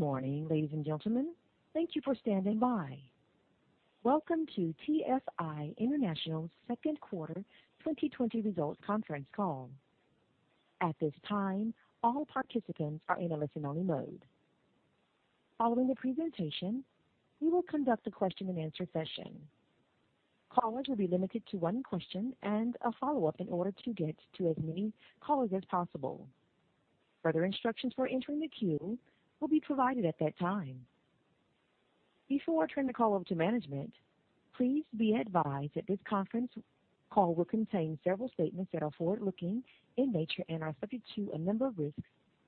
Good morning, ladies and gentlemen. Thank you for standing by. Welcome to TFI International's second quarter 2020 results conference call. At this time, all participants are in a listen-only mode. Following the presentation, we will conduct a question-and-answer session. Callers will be limited to one question and a follow-up in order to get to as many callers as possible. Further instructions for entering the queue will be provided at that time. Before turning the call over to management, please be advised that this conference call will contain several statements that are forward-looking in nature and are subject to a number of risks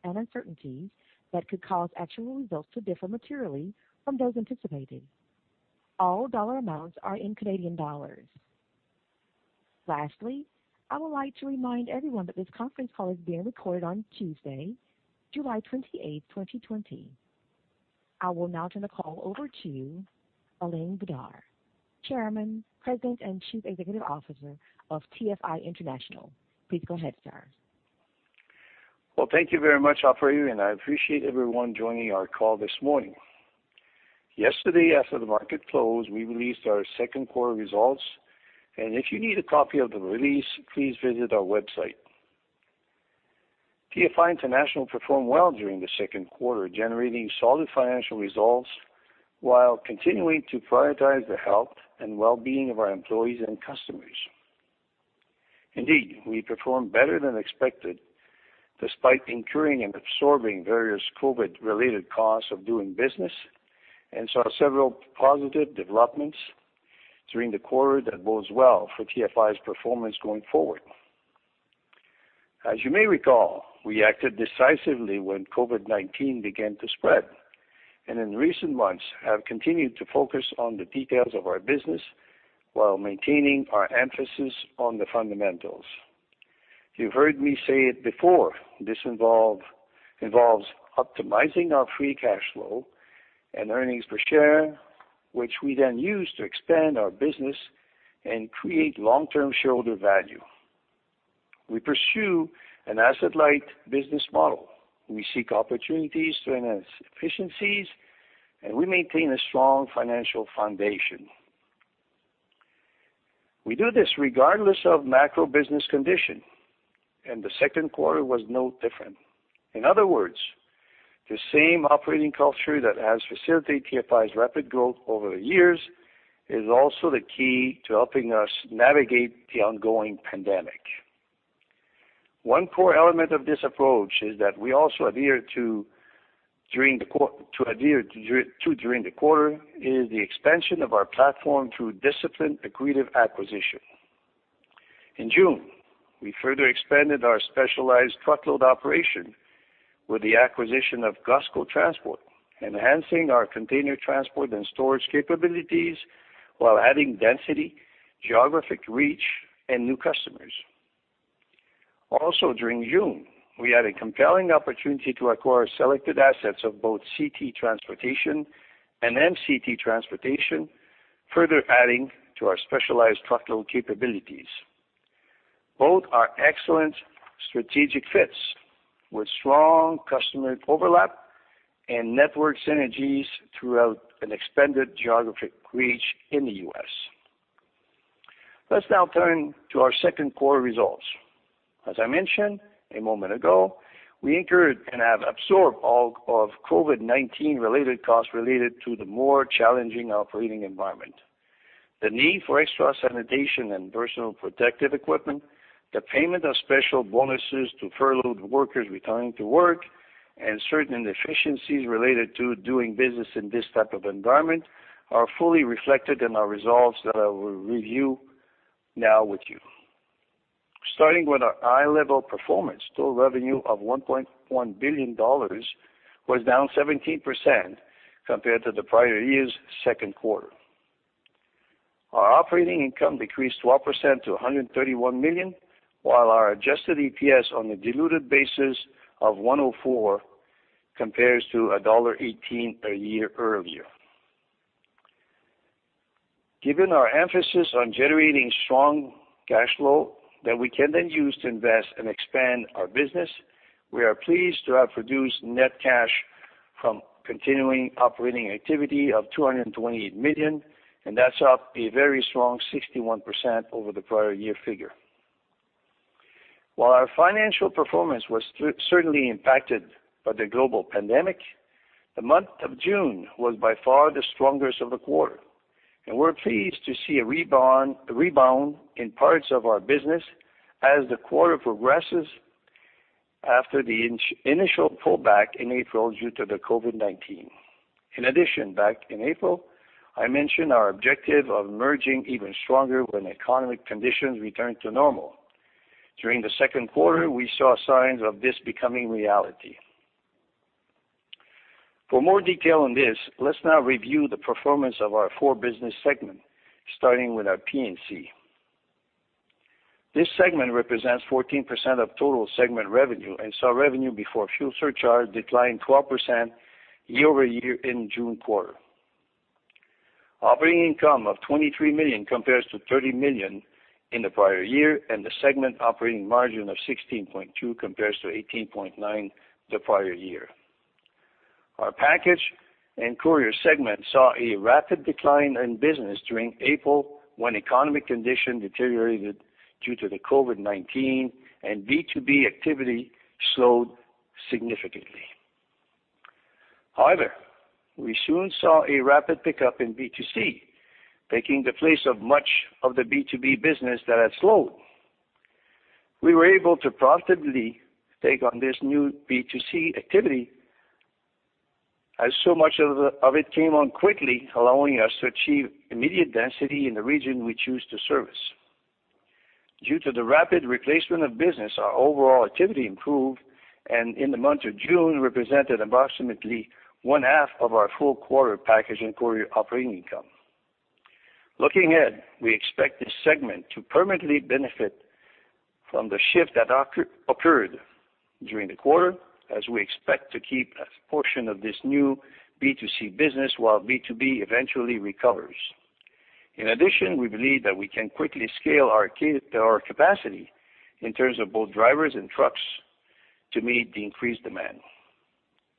and uncertainties that could cause actual results to differ materially from those anticipated. All dollar amounts are in Canadian dollars. Lastly, I would like to remind everyone that this conference call is being recorded on Tuesday, July 28, 2020. I will now turn the call over to Alain Bédard, Chairman, President, and Chief Executive Officer of TFI International. Please go ahead, sir. Well, thank you very much, operator, and I appreciate everyone joining our call this morning. Yesterday, after the market closed, we released our second quarter results, and if you need a copy of the release, please visit our website. TFI International performed well during the second quarter, generating solid financial results while continuing to prioritize the health and well-being of our employees and customers. Indeed, we performed better than expected despite incurring and absorbing various COVID-related costs of doing business and saw several positive developments during the quarter that bodes well for TFI's performance going forward. As you may recall, we acted decisively when COVID-19 began to spread, and in recent months have continued to focus on the details of our business while maintaining our emphasis on the fundamentals. You've heard me say it before, this involves optimizing our free cash flow and earnings per share, which we then use to expand our business and create long-term shareholder value. We pursue an asset-light business model. We seek opportunities to enhance efficiencies, we maintain a strong financial foundation. We do this regardless of macro business condition, the second quarter was no different. In other words, the same operating culture that has facilitated TFI's rapid growth over the years is also the key to helping us navigate the ongoing pandemic. One core element of this approach is that we also adhered to during the quarter is the expansion of our platform through disciplined, accretive acquisition. In June, we further expanded our specialty TL operation with the acquisition of Gusgo Transport, enhancing our container transport and storage capabilities while adding density, geographic reach, and new customers. Also, during June, we had a compelling opportunity to acquire selected assets of both CT Transportation and MCT Transportation, further adding to our specialized truckload capabilities. Both are excellent strategic fits with strong customer overlap and network synergies throughout an expanded geographic reach in the U.S. Let's now turn to our second quarter results. As I mentioned a moment ago, we incurred and have absorbed all of COVID-19-related costs related to the more challenging operating environment. The need for extra sanitation and personal protective equipment, the payment of special bonuses to furloughed workers returning to work, and certain inefficiencies related to doing business in this type of environment are fully reflected in our results that I will review now with you. Starting with our high-level performance, total revenue of 1.1 billion dollars was down 17% compared to the prior year's second quarter. Our operating income decreased 12% to 131 million, while our adjusted EPS on a diluted basis of 1.04 compares to dollar 1.18 a year earlier. Given our emphasis on generating strong cash flow that we can then use to invest and expand our business, we are pleased to have produced net cash from continuing operating activity of 228 million. That's up a very strong 61% over the prior year figure. While our financial performance was certainly impacted by the global pandemic, the month of June was by far the strongest of the quarter. We're pleased to see a rebound in parts of our business as the quarter progresses after the initial pullback in April due to the COVID-19. In addition, back in April, I mentioned our objective of emerging even stronger when economic conditions return to normal. During the second quarter, we saw signs of this becoming reality. For more detail on this, let's now review the performance of our four business segments, starting with our P&C. This segment represents 14% of total segment revenue and saw revenue before fuel surcharge decline 12% year-over-year in June quarter. Operating income of 23 million compares to 30 million in the prior year, and the segment operating margin of 16.2% compares to 18.9% the prior year. Our Package and Courier segment saw a rapid decline in business during April, when economic conditions deteriorated due to the COVID-19 and B2B activity slowed significantly. However, we soon saw a rapid pickup in B2C, taking the place of much of the B2B business that had slowed. We were able to promptly take on this new B2C activity, as so much of it came on quickly, allowing us to achieve immediate density in the region we choose to service. Due to the rapid replacement of business, our overall activity improved, and in the month of June, represented approximately one-half of our full quarter Package and Courier operating income. Looking ahead, we expect this segment to permanently benefit from the shift that occurred during the quarter, as we expect to keep a portion of this new B2C business while B2B eventually recovers. We believe that we can quickly scale our capacity in terms of both drivers and trucks to meet the increased demand.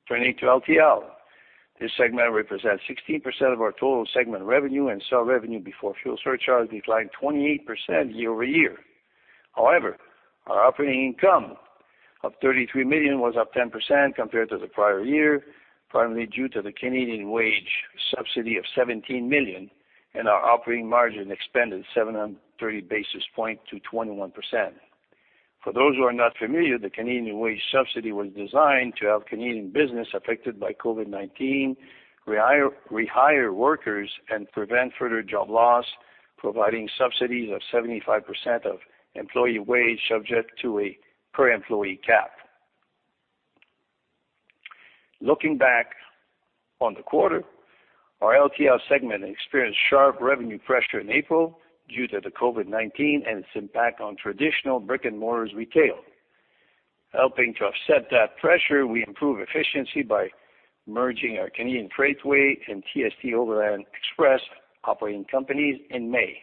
Turning to LTL, this segment represents 16% of our total segment revenue and saw revenue before fuel surcharge decline 28% year-over-year. Our operating income of 33 million was up 10% compared to the prior year, primarily due to the Canadian wage subsidy of 17 million, and our operating margin expanded 730 basis points to 21%. For those who are not familiar, the Canadian wage subsidy was designed to help Canadian business affected by COVID-19 rehire workers and prevent further job loss, providing subsidies of 75% of employee wage subject to a per employee cap. Looking back on the quarter, our LTL segment experienced sharp revenue pressure in April due to the COVID-19 and its impact on traditional brick-and-mortar retail. Helping to offset that pressure, we improved efficiency by merging our Canadian Freightways and TST Overland Express operating companies in May.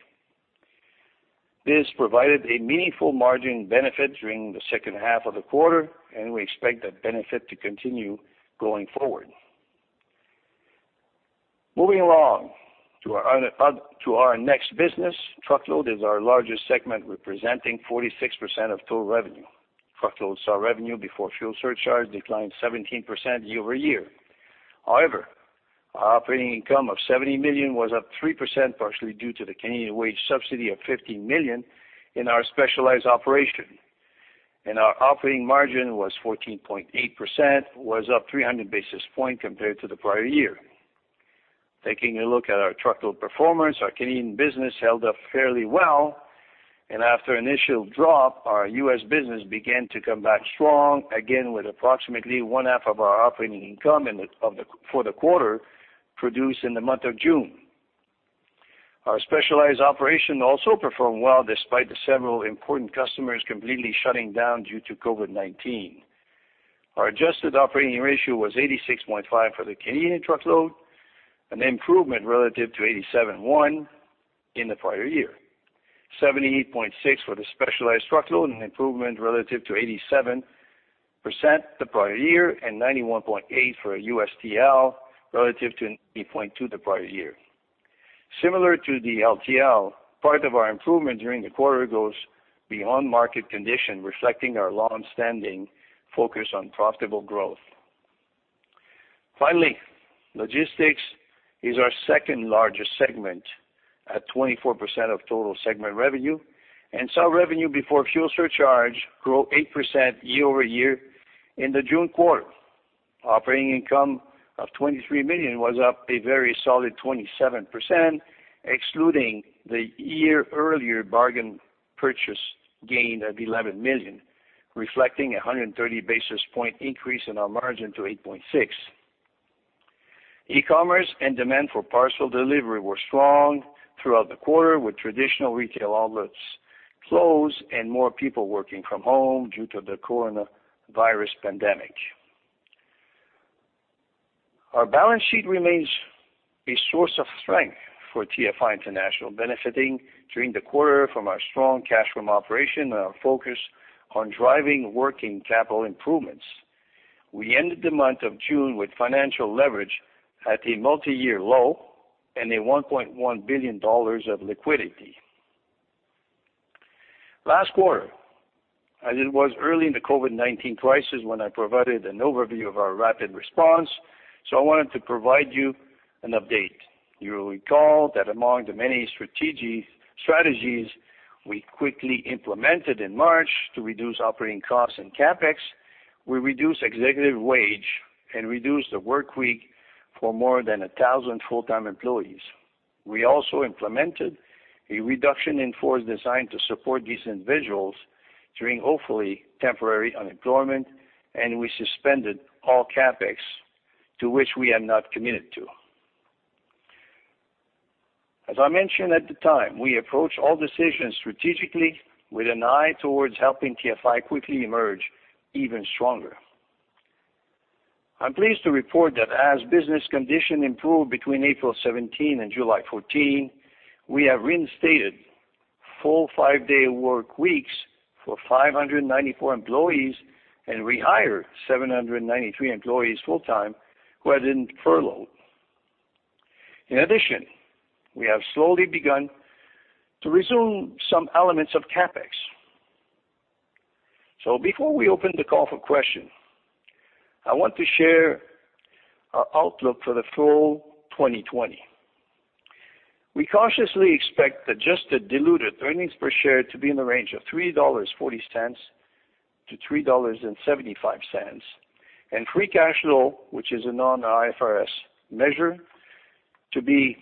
This provided a meaningful margin benefit during the second half of the quarter, and we expect that benefit to continue going forward. Moving along to our next business, truckload is our largest segment, representing 46% of total revenue. Truckload saw revenue before fuel surcharge decline 17% year-over-year. However, our operating income of 70 million was up 3%, partially due to the Canadian wage subsidy of 15 million in our specialized operation. Our operating margin was 14.8%, was up 300 basis points compared to the prior year. Taking a look at our truckload performance, our Canadian business held up fairly well, and after initial drop, our U.S. business began to come back strong again with approximately one-half of our operating income for the quarter produced in the month of June. Our specialized operation also performed well, despite the several important customers completely shutting down due to COVID-19. Our adjusted operating ratio was 86.5 for the Canadian truckload, an improvement relative to 87.1 in the prior year. 78.6 for the specialized truckload, an improvement relative to 87% the prior year, and 91.8 for USTL relative to an 80.2 the prior year. Similar to the LTL, part of our improvement during the quarter goes beyond market condition, reflecting our longstanding focus on profitable growth. Logistics is our second-largest segment at 24% of total segment revenue and saw revenue before fuel surcharge grow 8% year over year in the June quarter. Operating income of 23 million was up a very solid 27%, excluding the year earlier bargain purchase gain of 11 million, reflecting 130 basis points increase in our margin to 8.6%. E-commerce and demand for parcel delivery were strong throughout the quarter, with traditional retail outlets closed and more people working from home due to the coronavirus pandemic. Our balance sheet remains a source of strength for TFI International, benefiting during the quarter from our strong cash from operations and our focus on driving working capital improvements. We ended the month of June with financial leverage at a multi-year low and 1.1 billion dollars of liquidity. Last quarter, as it was early in the COVID-19 crisis when I provided an overview of our rapid response, I wanted to provide you an update. You will recall that among the many strategies we quickly implemented in March to reduce operating costs and CapEx, we reduced executive wage and reduced the work week for more than 1,000 full-time employees. We also implemented a reduction in force designed to support these individuals during hopefully temporary unemployment, we suspended all CapEx to which we have not committed to. As I mentioned at the time, we approach all decisions strategically with an eye towards helping TFI quickly emerge even stronger. I'm pleased to report that as business conditions improved between April 2017 and July 2014, we have reinstated full five-day work weeks for 594 employees and rehired 793 employees full-time who had been furloughed. In addition, we have slowly begun to resume some elements of CapEx. Before we open the call for questions, I want to share our outlook for the full 2020. We cautiously expect adjusted diluted earnings per share to be in the range of 3.40-3.75 dollars, and free cash flow, which is a non-IFRS measure, to be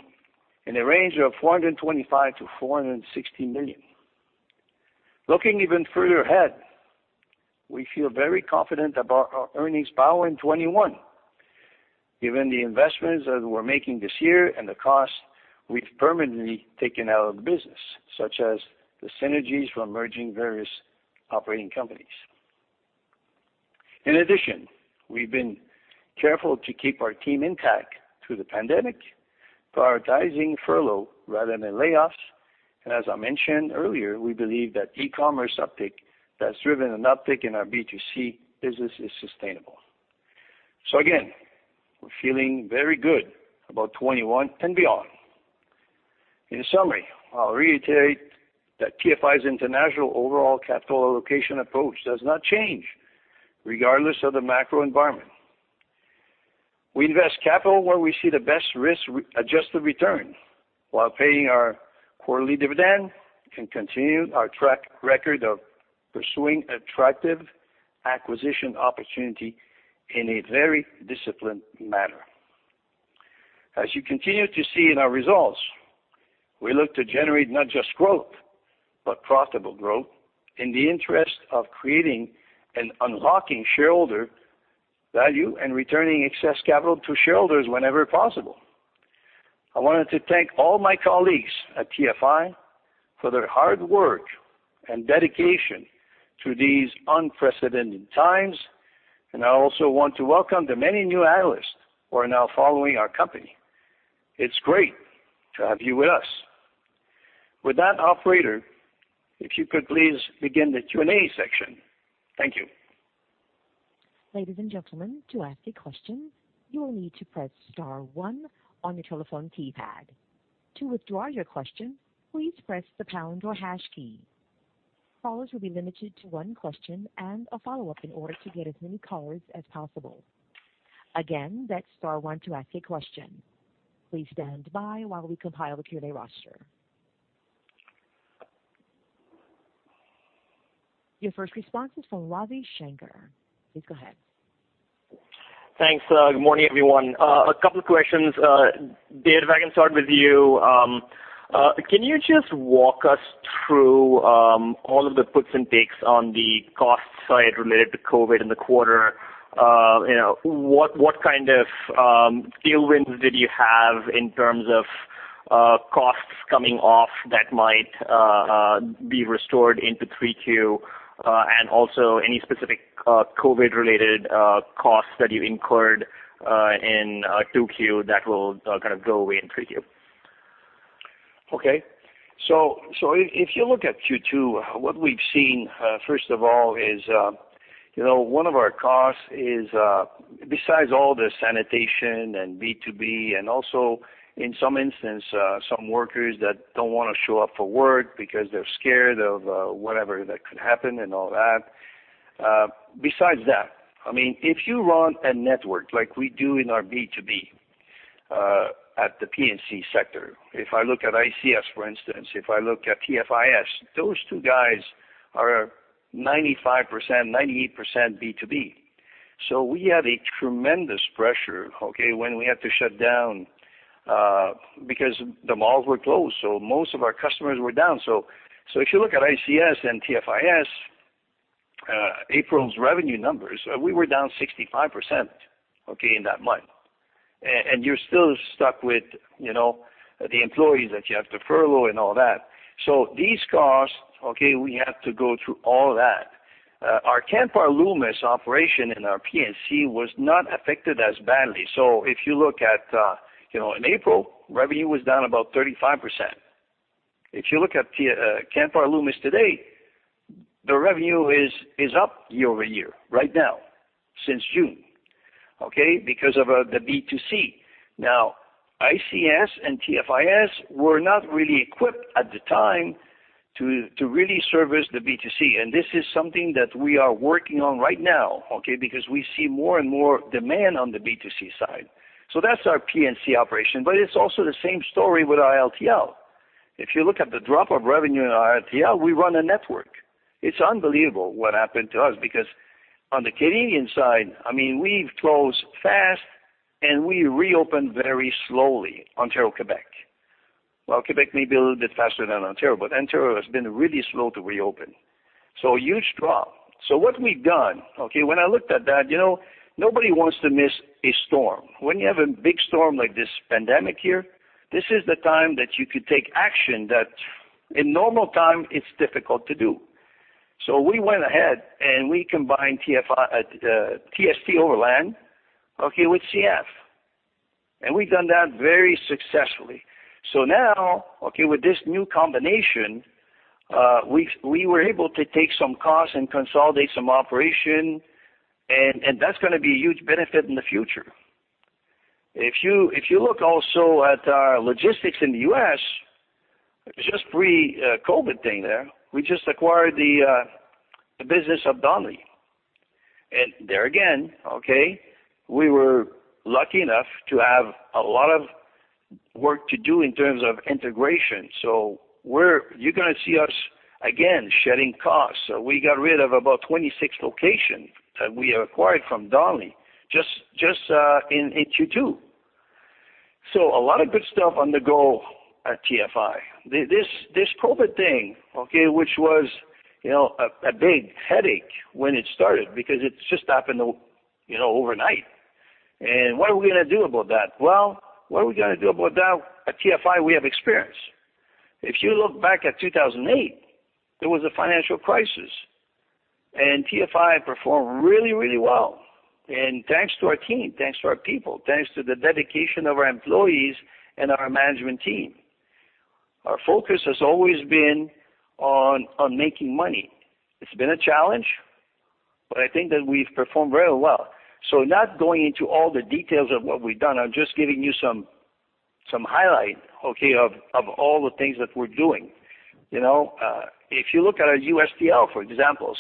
in a range of 425 million-460 million. Looking even further ahead, we feel very confident about our earnings power in 2021, given the investments that we're making this year and the cost we've permanently taken out of the business, such as the synergies from merging various operating companies. We've been careful to keep our team intact through the pandemic, prioritizing furlough rather than layoffs. As I mentioned earlier, we believe that e-commerce uptick that's driven an uptick in our B2C business is sustainable. Again, we're feeling very good about 2021 and beyond. In summary, I'll reiterate that TFI's international overall capital allocation approach does not change regardless of the macro environment. We invest capital where we see the best risk-adjusted return while paying our quarterly dividend and continue our track record of pursuing attractive acquisition opportunity in a very disciplined manner. As you continue to see in our results, we look to generate not just growth, but profitable growth in the interest of creating and unlocking shareholder value and returning excess capital to shareholders whenever possible. I wanted to thank all my colleagues at TFI for their hard work and dedication through these unprecedented times. I also want to welcome the many new analysts who are now following our company. It's great to have you with us. With that, operator, if you could please begin the Q&A section. Thank you. Ladies and gentlemen, to ask a question, you will need to press star one on your telephone keypad. To withdraw your question, please press the pound or hash key. Callers will be limited to one question and a follow-up in order to get as many callers as possible. Again, that's star one to ask a question. Please stand by while we compile the Q&A roster. Your first response is from Ravi Shanker. Please go ahead. Thanks. Good morning, everyone. A couple of questions. Dave, if I can start with you. Can you just walk us through all of the puts and takes on the cost side related to COVID in the quarter? What kind of tailwinds did you have in terms of costs coming off that might be restored into three Q, and also any specific COVID-related costs that you incurred in two Q that will kind of go away in three Q? If you look at Q2, what we've seen, first of all, is one of our costs is, besides all the sanitation and B2B and also in some instance, some workers that don't want to show up for work because they're scared of whatever that could happen and all that. Besides that, if you run a network like we do in our B2B at the P&C sector. If I look at ICS, for instance, if I look at TFIS, those two guys are 95%, 98% B2B. We had a tremendous pressure, okay, when we had to shut down because the malls were closed. Most of our customers were down. If you look at ICS and TFIS April's revenue numbers, we were down 65%, okay, in that month. You're still stuck with the employees that you have to furlough and all that. These costs, okay, we have to go through all that. Our Canpar Loomis operation in our P&C was not affected as badly. If you look at in April, revenue was down about 35%. If you look at Canpar Loomis today, the revenue is up year-over-year right now since June, okay, because of the B2C. ICS and TFIS were not really equipped at the time to really service the B2C, and this is something that we are working on right now, okay, because we see more and more demand on the B2C side. That's our P&C operation, but it's also the same story with our LTL. If you look at the drop of revenue in our LTL, we run a network. It's unbelievable what happened to us because on the Canadian side, we've closed fast and we reopened very slowly. Ontario, Quebec. Quebec may be a little bit faster than Ontario, but Ontario has been really slow to reopen. A huge drop. What we've done, when I looked at that, nobody wants to miss a storm. When you have a big storm like this pandemic here, this is the time that you could take action that in normal times it's difficult to do. We went ahead and we combined TST Overland with CF, and we've done that very successfully. Now, with this new combination, we were able to take some costs and consolidate some operation, and that's going to be a huge benefit in the future. If you look also at our logistics in the U.S., just pre-COVID thing there, we just acquired the business of Darnley. There again, we were lucky enough to have a lot of work to do in terms of integration. You're going to see us again shedding costs. We got rid of about 26 locations that we acquired from Darnley just in Q2. A lot of good stuff on the go at TFI. This COVID thing, which was a big headache when it started because it just happened overnight. What are we going to do about that? What are we going to do about that? At TFI, we have experience. If you look back at 2008, there was a financial crisis, and TFI performed really well. Thanks to our team, thanks to our people, thanks to the dedication of our employees and our management team. Our focus has always been on making money. It's been a challenge, but I think that we've performed very well. Not going into all the details of what we've done, I'm just giving you some highlight of all the things that we're doing. If you look at our USTL, for example.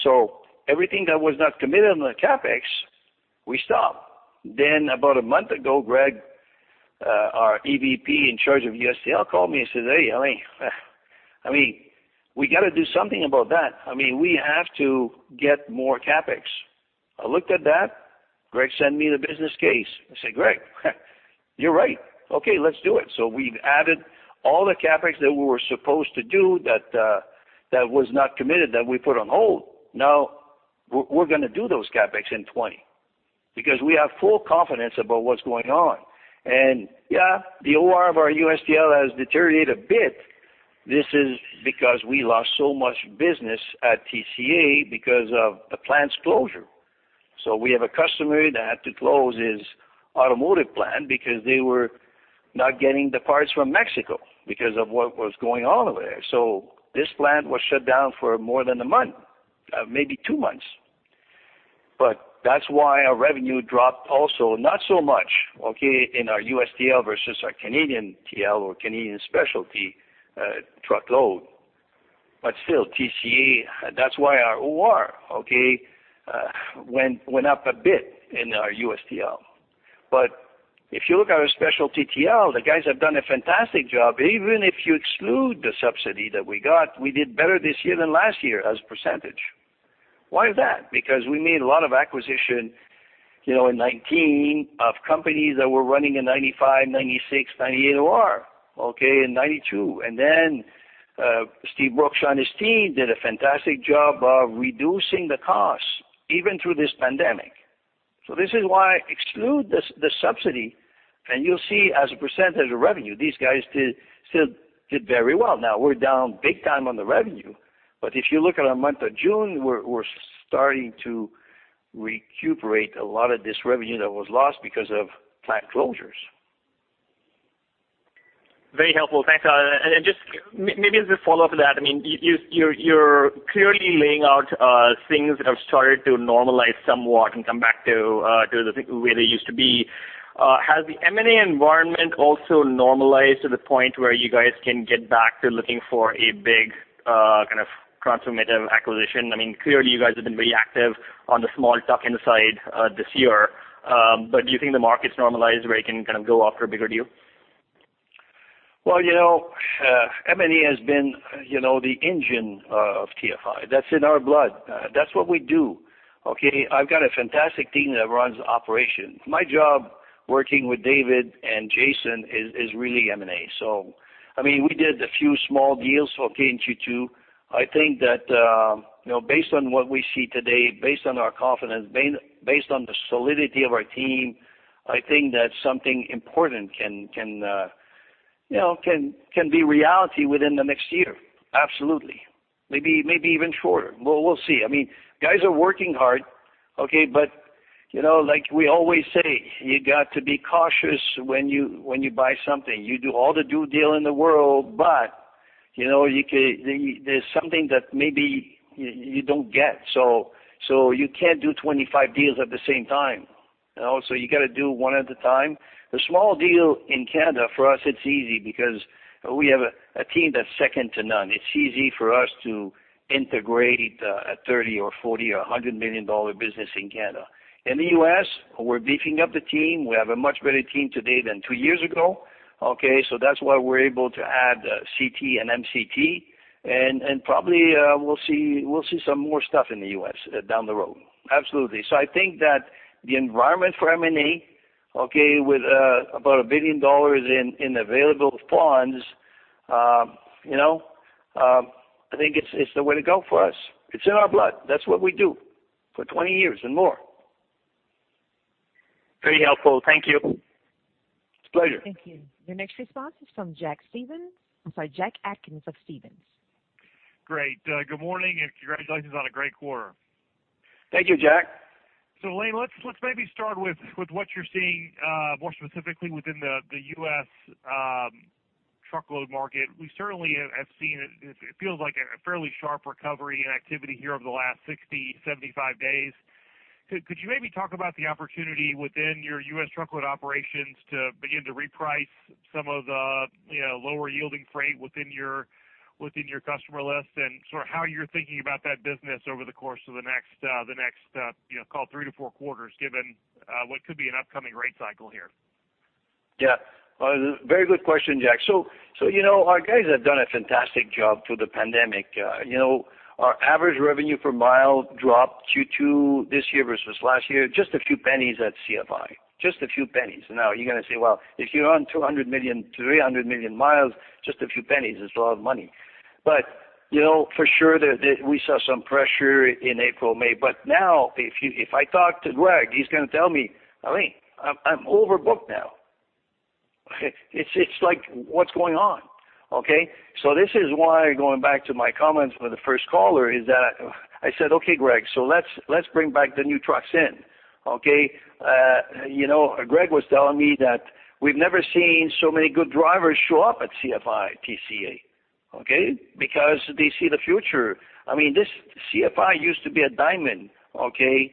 Everything that was not committed on the CapEx, we stopped. About a month ago, Greg, our EVP in charge of USTL, called me and said, "Hey, Alain, we got to do something about that. We have to get more CapEx." I looked at that. Greg sent me the business case. I said, "Greg, you're right. Okay, let's do it." We've added all the CapEx that we were supposed to do that was not committed, that we put on hold. We're going to do those CapEx in 2020 because we have full confidence about what's going on. Yeah, the OR of our USTL has deteriorated a bit. This is because we lost so much business at TCA because of the plant's closure. We have a customer that had to close his automotive plant because they were not getting the parts from Mexico because of what was going on over there. This plant was shut down for more than one month, maybe two months. That's why our revenue dropped also, not so much in our USTL versus our Canadian TL or Canadian specialty truckload. Still TCA, that's why our OR went up a bit in our USTL. If you look at our specialty TL, the guys have done a fantastic job. Even if you exclude the subsidy that we got, we did better this year than last year as a percentage. Why is that? We made a lot of acquisitions in 2019 of companies that were running a 95, 96, 98 OR, okay, and 92. Steve Brookshaw and his team did a fantastic job of reducing the costs, even through this pandemic. This is why exclude the subsidy, and you'll see as a % of revenue, these guys still did very well. We're down big time on the revenue, if you look at our month of June, we're starting to recuperate a lot of this revenue that was lost because of plant closures. Very helpful. Thanks. Then just maybe as a follow-up to that, you're clearly laying out things that have started to normalize somewhat and come back to the way they used to be. Has the M&A environment also normalized to the point where you guys can get back to looking for a big transformative acquisition? Clearly you guys have been very active on the small tuck-in side this year. Do you think the market's normalized where you can go after a bigger deal? Well, M&A has been the engine of TFI. That's in our blood. That's what we do. I've got a fantastic team that runs operations. My job working with David and Jason is really M&A. We did a few small deals, okay, in Q2. I think that based on what we see today, based on our confidence, based on the solidity of our team, I think that something important can be reality within the next year. Absolutely. Maybe even shorter. We'll see. Guys are working hard. Like we always say, you got to be cautious when you buy something. You do all the due deal in the world, but there's something that maybe you don't get. You can't do 25 deals at the same time. You got to do one at a time. The small deal in Canada, for us, it's easy because we have a team that's second to none. It's easy for us to integrate a 30 million or 40 million or 100 million dollar business in Canada. In the U.S., we're beefing up the team. We have a much better team today than two years ago. That's why we're able to add CT and MCT, and probably we'll see some more stuff in the U.S. down the road. Absolutely. I think that the environment for M&A, with about 1 billion dollars in available funds, I think it's the way to go for us. It's in our blood. That's what we do for 20 years and more. Very helpful. Thank you. It's a pleasure. Thank you. Your next response is from Jack Atkins of Stephens. Great. Good morning, and congratulations on a great quarter. Thank you, Jack. Alain, let's maybe start with what you're seeing more specifically within the U.S. truckload market. We certainly have seen it. It feels like a fairly sharp recovery in activity here over the last 60, 75 days. Could you maybe talk about the opportunity within your U.S. truckload operations to begin to reprice some of the lower yielding freight within your customer list and sort of how you're thinking about that business over the course of the next call three to four quarters, given what could be an upcoming rate cycle here? Yeah. Very good question, Jack. Our guys have done a fantastic job through the pandemic. Our average revenue per mile dropped Q2 this year versus last year, just a few pennies at CFI. Just a few pennies. You're going to say, well, if you run 200 million to 300 million miles, just a few pennies is a lot of money. For sure, we saw some pressure in April, May. Now, if I talk to Greg, he's going to tell me, "Alain, I'm overbooked now." It's like, what's going on? This is why, going back to my comments with the first caller, is that I said, "Okay, Greg, so let's bring back the new trucks in." Greg was telling me that we've never seen so many good drivers show up at CFI TCA, okay? Because they see the future. CFI used to be a diamond, okay?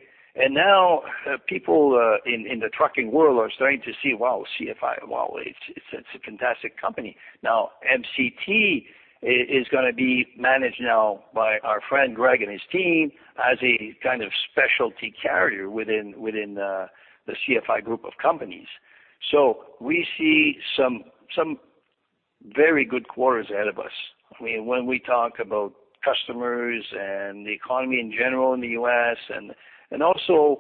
Now, people in the trucking world are starting to see, wow, CFI, wow, it's a fantastic company. MCT is going to be managed now by our friend Greg and his team as a kind of specialty carrier within the CFI group of companies. We see some very good quarters ahead of us. When we talk about customers and the economy in general in the U.S. and also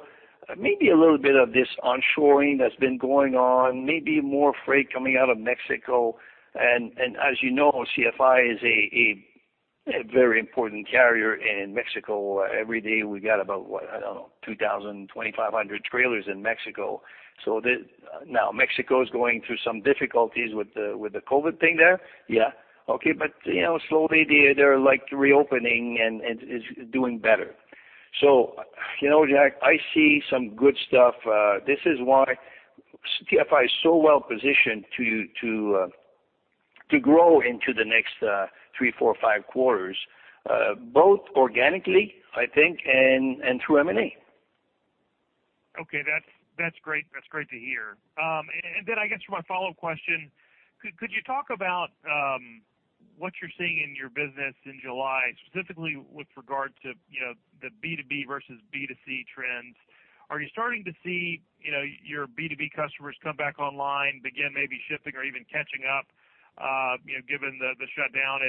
maybe a little bit of this onshoring that's been going on, maybe more freight coming out of Mexico. As you know, CFI is a very important carrier in Mexico. Every day, we got about, what? I don't know, 2,000, 2,500 trailers in Mexico. Mexico is going through some difficulties with the COVID thing there. Yeah. Okay. Slowly they're like reopening and it's doing better. Jack, I see some good stuff. This is why CFI is so well positioned to grow into the next three, four, five quarters, both organically, I think, and through M&A. Okay. That's great to hear. I guess for my follow-up question, could you talk about what you're seeing in your business in July, specifically with regard to the B2B versus B2C trends? Are you starting to see your B2B customers come back online, begin maybe shipping or even catching up given the shutdown?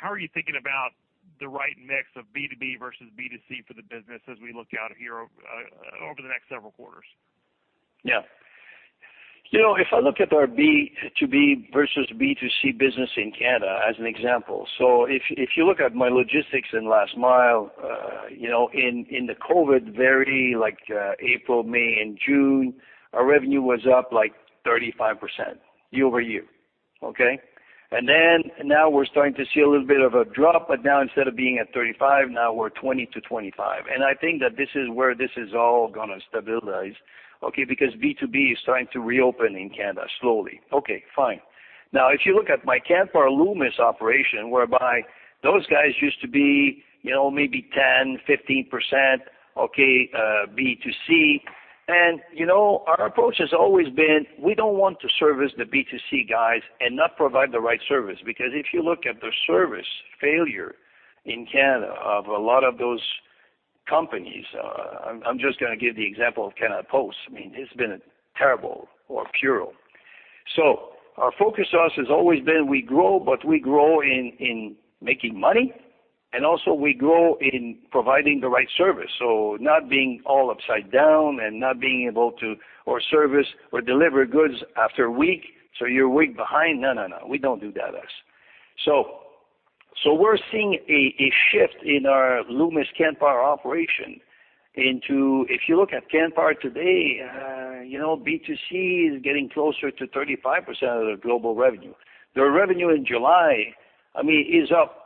How are you thinking about the right mix of B2B versus B2C for the business as we look out here over the next several quarters? If I look at our B2B versus B2C business in Canada as an example. If you look at my logistics in last mile, in the COVID-19 April, May, and June, our revenue was up like 35% year-over-year. Now we're starting to see a little bit of a drop, but now instead of being at 35%, now we're 20%-25%. I think that this is where this is all gonna stabilize because B2B is starting to reopen in Canada slowly. If you look at my Canpar/Loomis operation, whereby those guys used to be maybe 10%-15% B2C. Our approach has always been, we don't want to service the B2C guys and not provide the right service. If you look at the service failure in Canada of a lot of those companies, I'm just going to give the example of Canada Post. It's been terrible or poor. Our focus has always been we grow, but we grow in making money, and also we grow in providing the right service. Not being all upside down and not being able to, or service or deliver goods after one week. You're one week behind. No, we don't do that. We're seeing a shift in our Loomis/Canpar operation into, if you look at Canpar today, B2C is getting closer to 35% of the global revenue. Their revenue in July is up.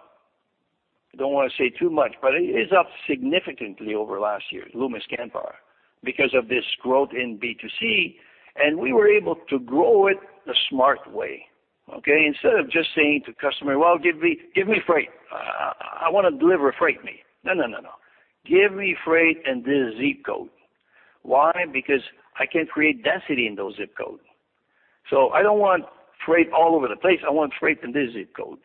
I don't want to say too much, but it is up significantly over last year, Loomis/Canpar, because of this growth in B2C, and we were able to grow it the smart way, okay. Instead of just saying to customer, "Give me freight. I want to deliver freight." No. Give me freight in this ZIP code. Why? Because I can create density in those ZIP code. I don't want freight all over the place. I want freight in this ZIP code.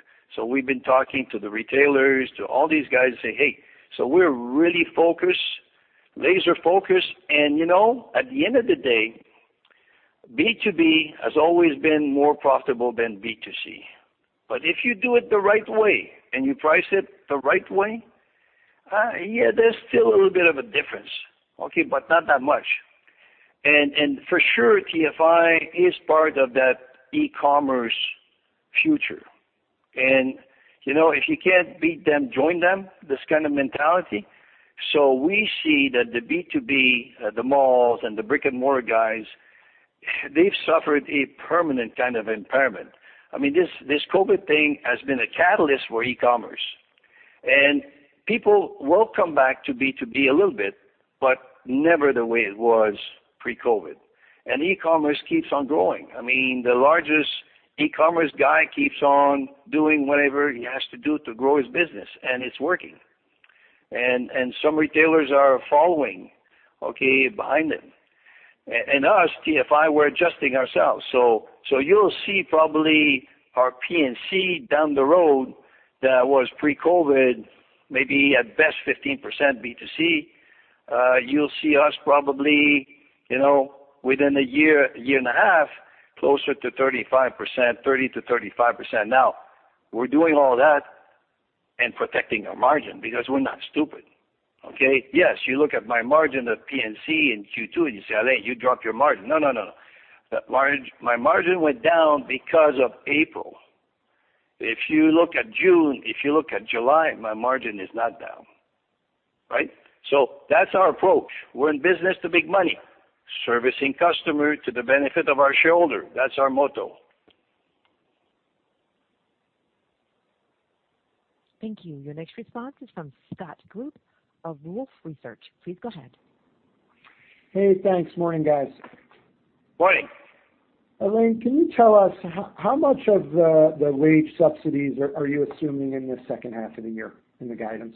We've been talking to the retailers, to all these guys and say, "Hey." We're really focused, laser focused. At the end of the day, B2B has always been more profitable than B2C. If you do it the right way and you price it the right way, yeah, there's still a little bit of a difference. Not that much. For sure, TFI is part of that e-commerce future. If you can't beat them, join them, this kind of mentality. We see that the B2B, the malls and the brick-and-mortar guys, they've suffered a permanent kind of impairment. This COVID thing has been a catalyst for e-commerce. People will come back to B2B a little bit, but never the way it was pre-COVID. E-commerce keeps on growing. The largest e-commerce guy keeps on doing whatever he has to do to grow his business, and it's working. Some retailers are following, okay, behind them. Us, TFI, we're adjusting ourselves. You'll see probably our P&C down the road that was pre-COVID, maybe at best 15% B2C. You'll see us probably, within a year and a half, closer to 30%-35%. We're doing all that and protecting our margin because we're not stupid. Okay. You look at my margin of P&C in Q2, and you say, "Alain, you dropped your margin." No. My margin went down because of April. If you look at June, if you look at July, my margin is not down. Right? That's our approach. We're in business to make money. Servicing customer to the benefit of our shareholder, that's our motto. Thank you. Your next response is from Scott Group of Wolfe Research. Please go ahead. Hey, thanks. Morning, guys. Morning. Alain, can you tell us how much of the wage subsidies are you assuming in the second half of the year in the guidance?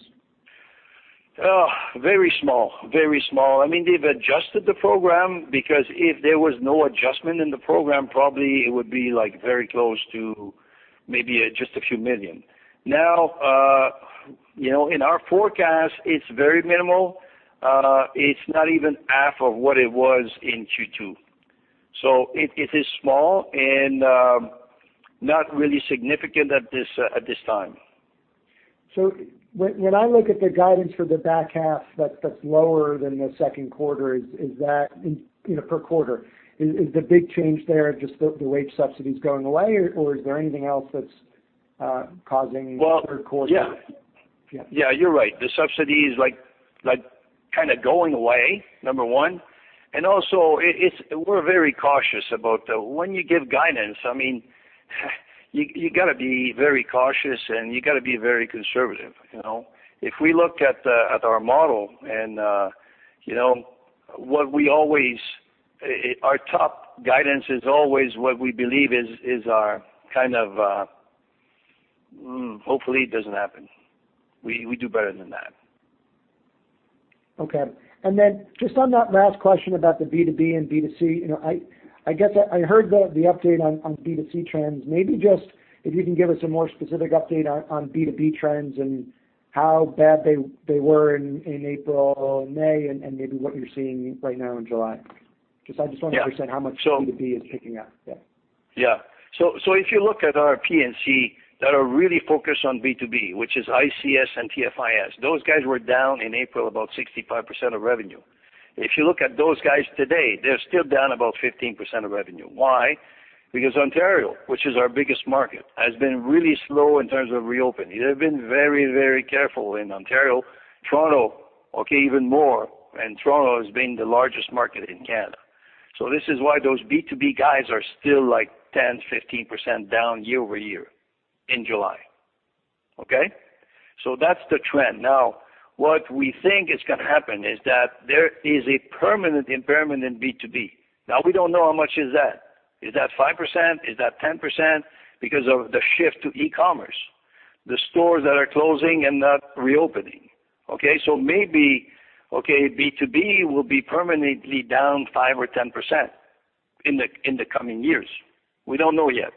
Oh, very small. They've adjusted the program because if there was no adjustment in the program, probably it would be very close to maybe just a few million. Now, in our forecast, it's very minimal. It's not even half of what it was in Q2. It is small and not really significant at this time. When I look at the guidance for the back half that's lower than the second quarter, per quarter, is the big change there just the wage subsidies going away, or is there anything else that's causing third quarter- Well, yeah. Yeah. Yeah, you're right. The subsidy is kind of going away, number one. We're very cautious about that. When you give guidance, you've got to be very cautious, and you've got to be very conservative. If we look at our model and our top guidance is always what we believe is our kind of Hopefully it doesn't happen. We do better than that. Okay. Just on that last question about the B2B and B2C, I guess I heard the update on B2C trends. Maybe just if you can give us a more specific update on B2B trends and how bad they were in April and May and maybe what you're seeing right now in July. Yeah understand how much B2B is picking up. Yeah. Yeah. If you look at our P&C that are really focused on B2B, which is ICS and TFIS, those guys were down in April about 65% of revenue. If you look at those guys today, they're still down about 15% of revenue. Why? Because Ontario, which is our biggest market, has been really slow in terms of reopening. They've been very careful in Ontario. Toronto, okay, even more, and Toronto has been the largest market in Canada. This is why those B2B guys are still 10%, 15% down year-over-year in July. Okay? That's the trend. What we think is going to happen is that there is a permanent impairment in B2B. We don't know how much is that. Is that 5%? Is that 10%? Because of the shift to e-commerce. The stores that are closing and not reopening. Okay? Maybe, okay, B2B will be permanently down 5% or 10% in the coming years. We don't know yet.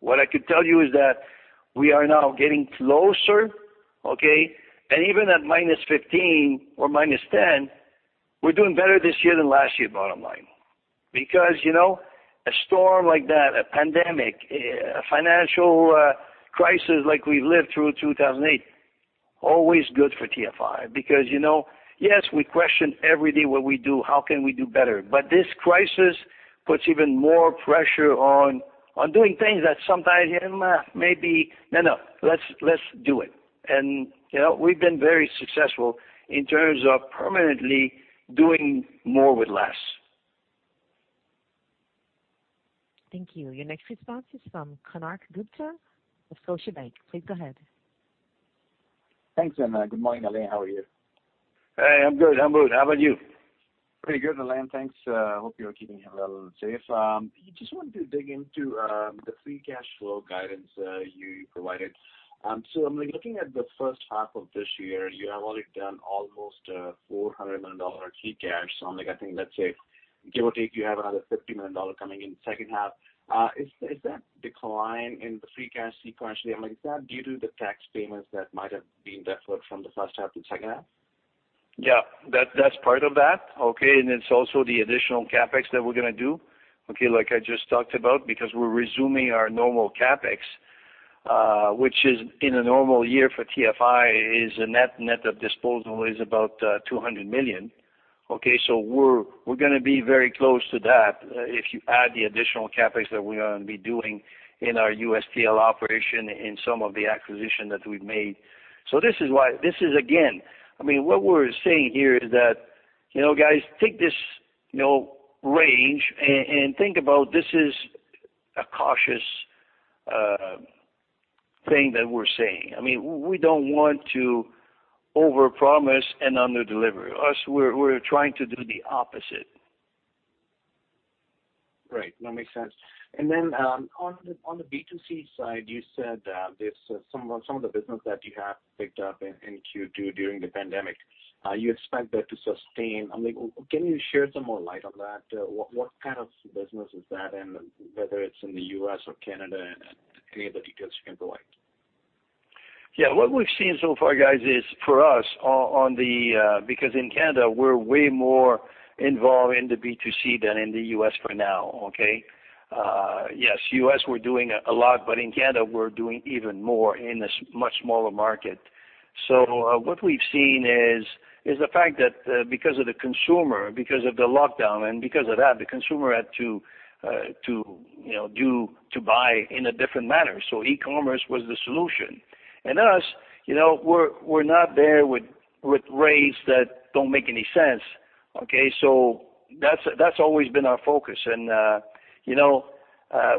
What I could tell you is that we are now getting closer, okay? Even at -15% or -10%, we're doing better this year than last year, bottom line. A storm like that, a pandemic, a financial crisis like we lived through 2008, always good for TFI. Yes, we question every day what we do, how can we do better? This crisis puts even more pressure on doing things that sometimes you're like, "Maybe No, no, let's do it." We've been very successful in terms of permanently doing more with less. Thank you. Your next response is from Konark Gupta of Scotiabank. Please go ahead. Thanks. Good morning, Alain. How are you? Hey, I'm good. How about you? Pretty good, Alain. Thanks. Hope you're keeping well and safe. Just wanted to dig into the free cash flow guidance you provided. I'm looking at the first half of this year. You have already done almost 400 million dollar free cash. I'm like, I think, let's say, give or take, you have another 50 million dollar coming in the second half. Is that decline in the free cash sequentially, is that due to the tax payments that might have been deferred from the first half to the second half? Yeah. That's part of that, okay? It's also the additional CapEx that we're going to do, okay, like I just talked about. We're resuming our normal CapEx, which is in a normal year for TFI is a net of disposal is about 200 million. Okay, we're going to be very close to that if you add the additional CapEx that we are going to be doing in our USTL operation in some of the acquisition that we've made. This is again, what we're saying here is that, guys, take this range and think about this is a cautious thing that we're saying. We don't want to overpromise and underdeliver. Us, we're trying to do the opposite. Right. No, it makes sense. On the B2C side, you said that some of the business that you have picked up in Q2 during the pandemic, you expect that to sustain. Can you share some more light on that? What kind of business is that, and whether it's in the U.S. or Canada, and any of the details you can provide. Yeah. What we've seen so far, guys, is because in Canada, we're way more involved in the B2C than in the U.S. for now, okay? Yes, U.S., we're doing a lot, but in Canada, we're doing even more in a much smaller market. What we've seen is the fact that because of the consumer, because of the lockdown, and because of that, the consumer had to buy in a different manner. E-commerce was the solution. Us, we're not there with rates that don't make any sense, okay? That's always been our focus.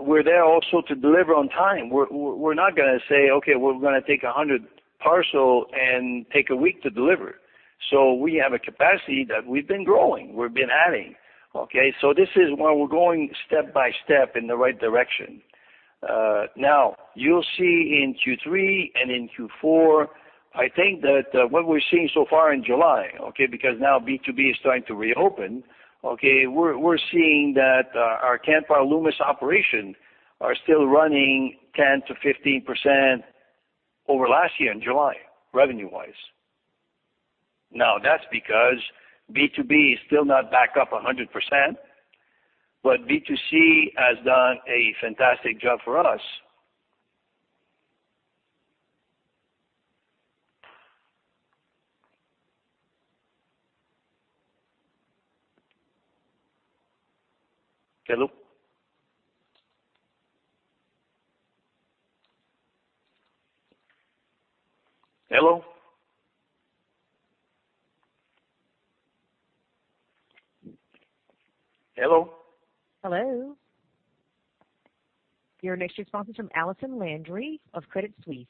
We're there also to deliver on time. We're not going to say, "Okay, we're going to take 100 parcel and take a week to deliver." We have a capacity that we've been growing, we've been adding, okay? This is why we're going step by step in the right direction. You'll see in Q3 and in Q4, I think that what we're seeing so far in July, because B2B is starting to reopen, we're seeing that our Canpar/Loomis operation are still running 10%-15% over last year in July, revenue-wise. That's because B2B is still not back up 100%, but B2C has done a fantastic job for us. Hello? Hello? Hello? Hello. Your next response is from Allison Landry of Credit Suisse.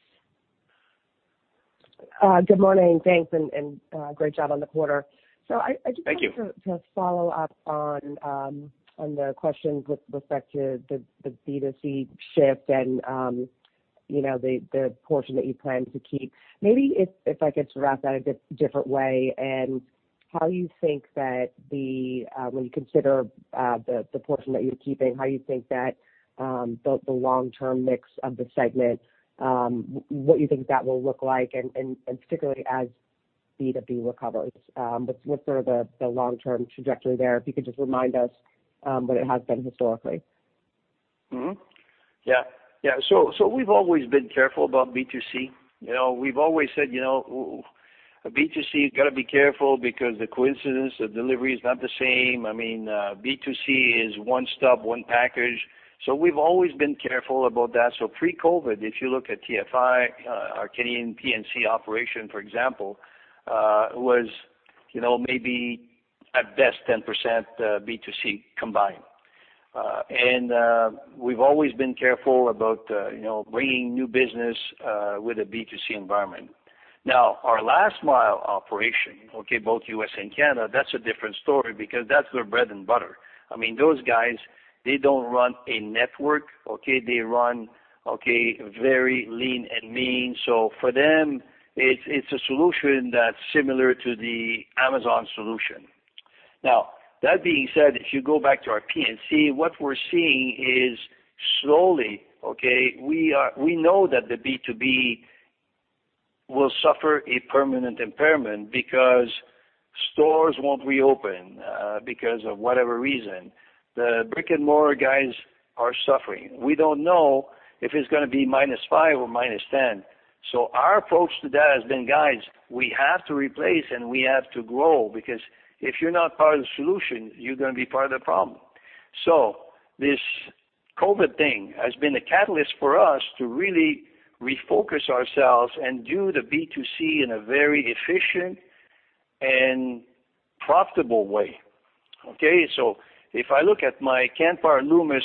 Good morning. Thanks. Great job on the quarter. Thank you. I just wanted to follow up on the questions with respect to the B2C shift and the portion that you plan to keep. Maybe if I could wrap that a different way and how you think that when you consider the portion that you're keeping, how you think that the long-term mix of the segment, what you think that will look like and particularly as B2B recovers. What's the long-term trajectory there? If you could just remind us what it has been historically. Yeah. We've always been careful about B2C. We've always said B2C, you got to be careful because the coincidence of delivery is not the same. B2C is one stop, one package. We've always been careful about that. Pre-COVID, if you look at TFI, our Canadian P&C operation, for example, was maybe at best 10% B2C combined. We've always been careful about bringing new business with a B2C environment. Now our last mile operation, okay, both U.S. and Canada, that's a different story because that's their bread and butter. Those guys, they don't run a network, okay? They run very lean and mean. For them, it's a solution that's similar to the Amazon solution. That being said, if you go back to our P&C, what we're seeing is slowly, okay, we know that the B2B will suffer a permanent impairment because stores won't reopen because of whatever reason. The brick-and-mortar guys are suffering. We don't know if it's going to be minus five or minus 10. Our approach to that has been, guys, we have to replace and we have to grow because if you're not part of the solution, you're going to be part of the problem. This COVID thing has been a catalyst for us to really refocus ourselves and do the B2C in a very efficient and profitable way, okay? If I look at my Canpar/Loomis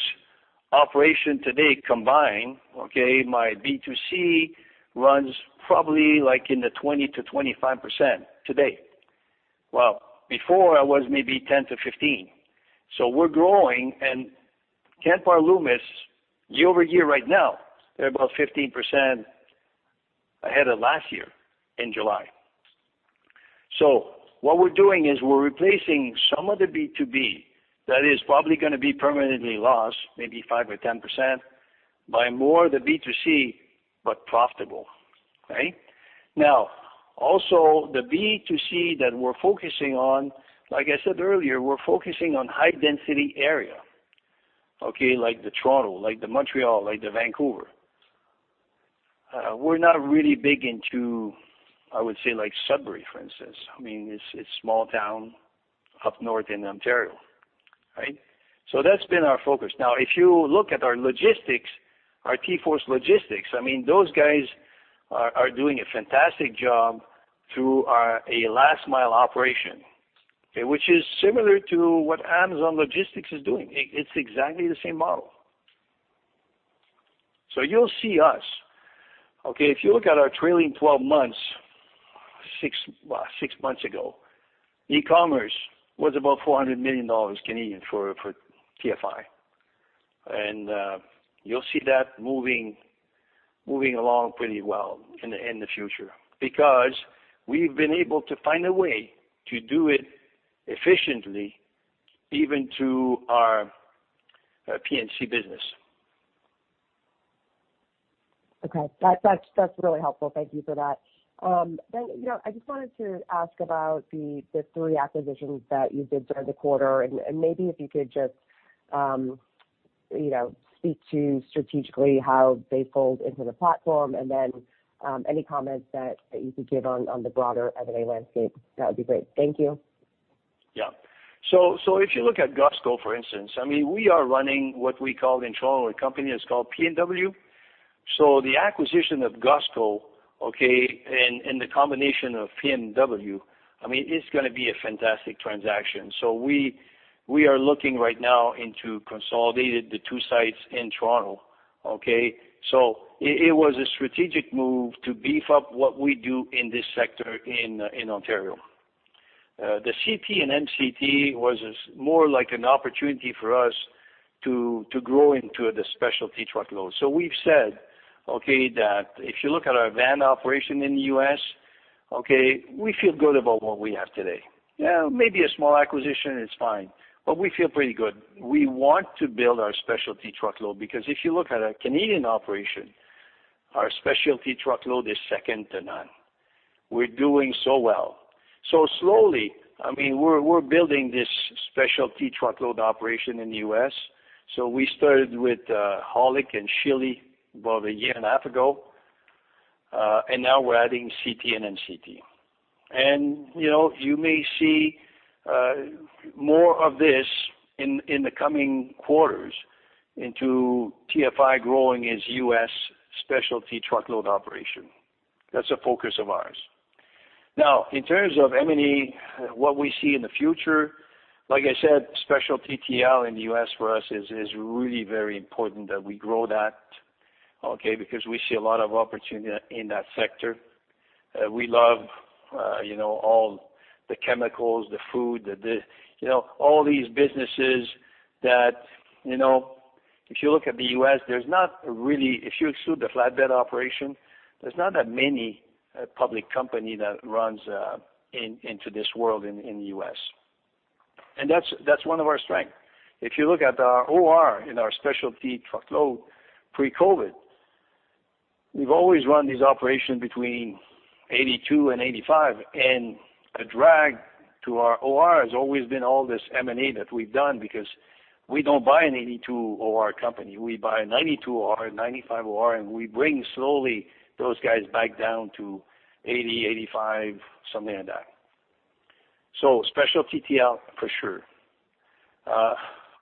operation today combined, okay, my B2C runs probably like in the 20%-25% today. Well, before I was maybe 10%-15%. We're growing and Canpar/Loomis year-over-year right now, they're about 15% ahead of last year in July. What we're doing is we're replacing some of the B2B that is probably going to be permanently lost, maybe 5% or 10%, by more of the B2C, but profitable. Right? Also the B2C that we're focusing on, like I said earlier, we're focusing on high-density area, okay? Like the Toronto, like the Montreal, like the Vancouver. We're not really big into, I would say like Sudbury, for instance. It's a small town up north in Ontario. Right? That's been our focus. If you look at our logistics, our TForce Logistics, those guys are doing a fantastic job through our last mile operation. Which is similar to what Amazon Logistics is doing. It's exactly the same model. You'll see us. If you look at our trailing 12 months, six months ago, e-commerce was about 400 million Canadian dollars for TFI. You'll see that moving along pretty well in the future, because we've been able to find a way to do it efficiently, even to our P&C business. Okay. That's really helpful. Thank you for that. I just wanted to ask about the three acquisitions that you did during the quarter, and maybe if you could just speak to strategically how they fold into the platform and then any comments that you could give on the broader M&A landscape, that would be great. Thank you. Yeah, if you look at Gusgo, for instance, we are running what we call in Toronto, a company that's called PNW. The acquisition of Gusgo, and the combination of PNW, it's going to be a fantastic transaction. We are looking right now into consolidating the two sites in Toronto. It was a strategic move to beef up what we do in this sector in Ontario. The CT and MCT was more like an opportunity for us to grow into the specialty truckload. We've said that if you look at our van operation in the U.S., we feel good about what we have today. Yeah, maybe a small acquisition is fine, but we feel pretty good. We want to build our specialty truckload because if you look at our Canadian operation, our specialty truckload is second to none. We're doing so well. Slowly, we're building this specialty truckload operation in the U.S. We started with Holick and Shiley about a year and a half ago. Now we're adding CT and MCT. You may see more of this in the coming quarters into TFI growing its U.S. specialty truckload operation. That's a focus of ours. In terms of M&A, what we see in the future, like I said, specialty TL in the U.S. for us is really very important that we grow that, okay, because we see a lot of opportunity in that sector. We love all the chemicals, the food, all these businesses that if you look at the U.S., if you exclude the flatbed operation, there's not that many public company that runs into this world in the U.S. That's one of our strength. If you look at our OR in our specialty truckload pre-COVID, we've always run this operation between 82 and 85, and a drag to our OR has always been all this M&A that we've done because we don't buy an 82 OR company. We buy a 92 OR, 95 OR, we bring slowly those guys back down to 80, 85, something like that. Specialty TL for sure.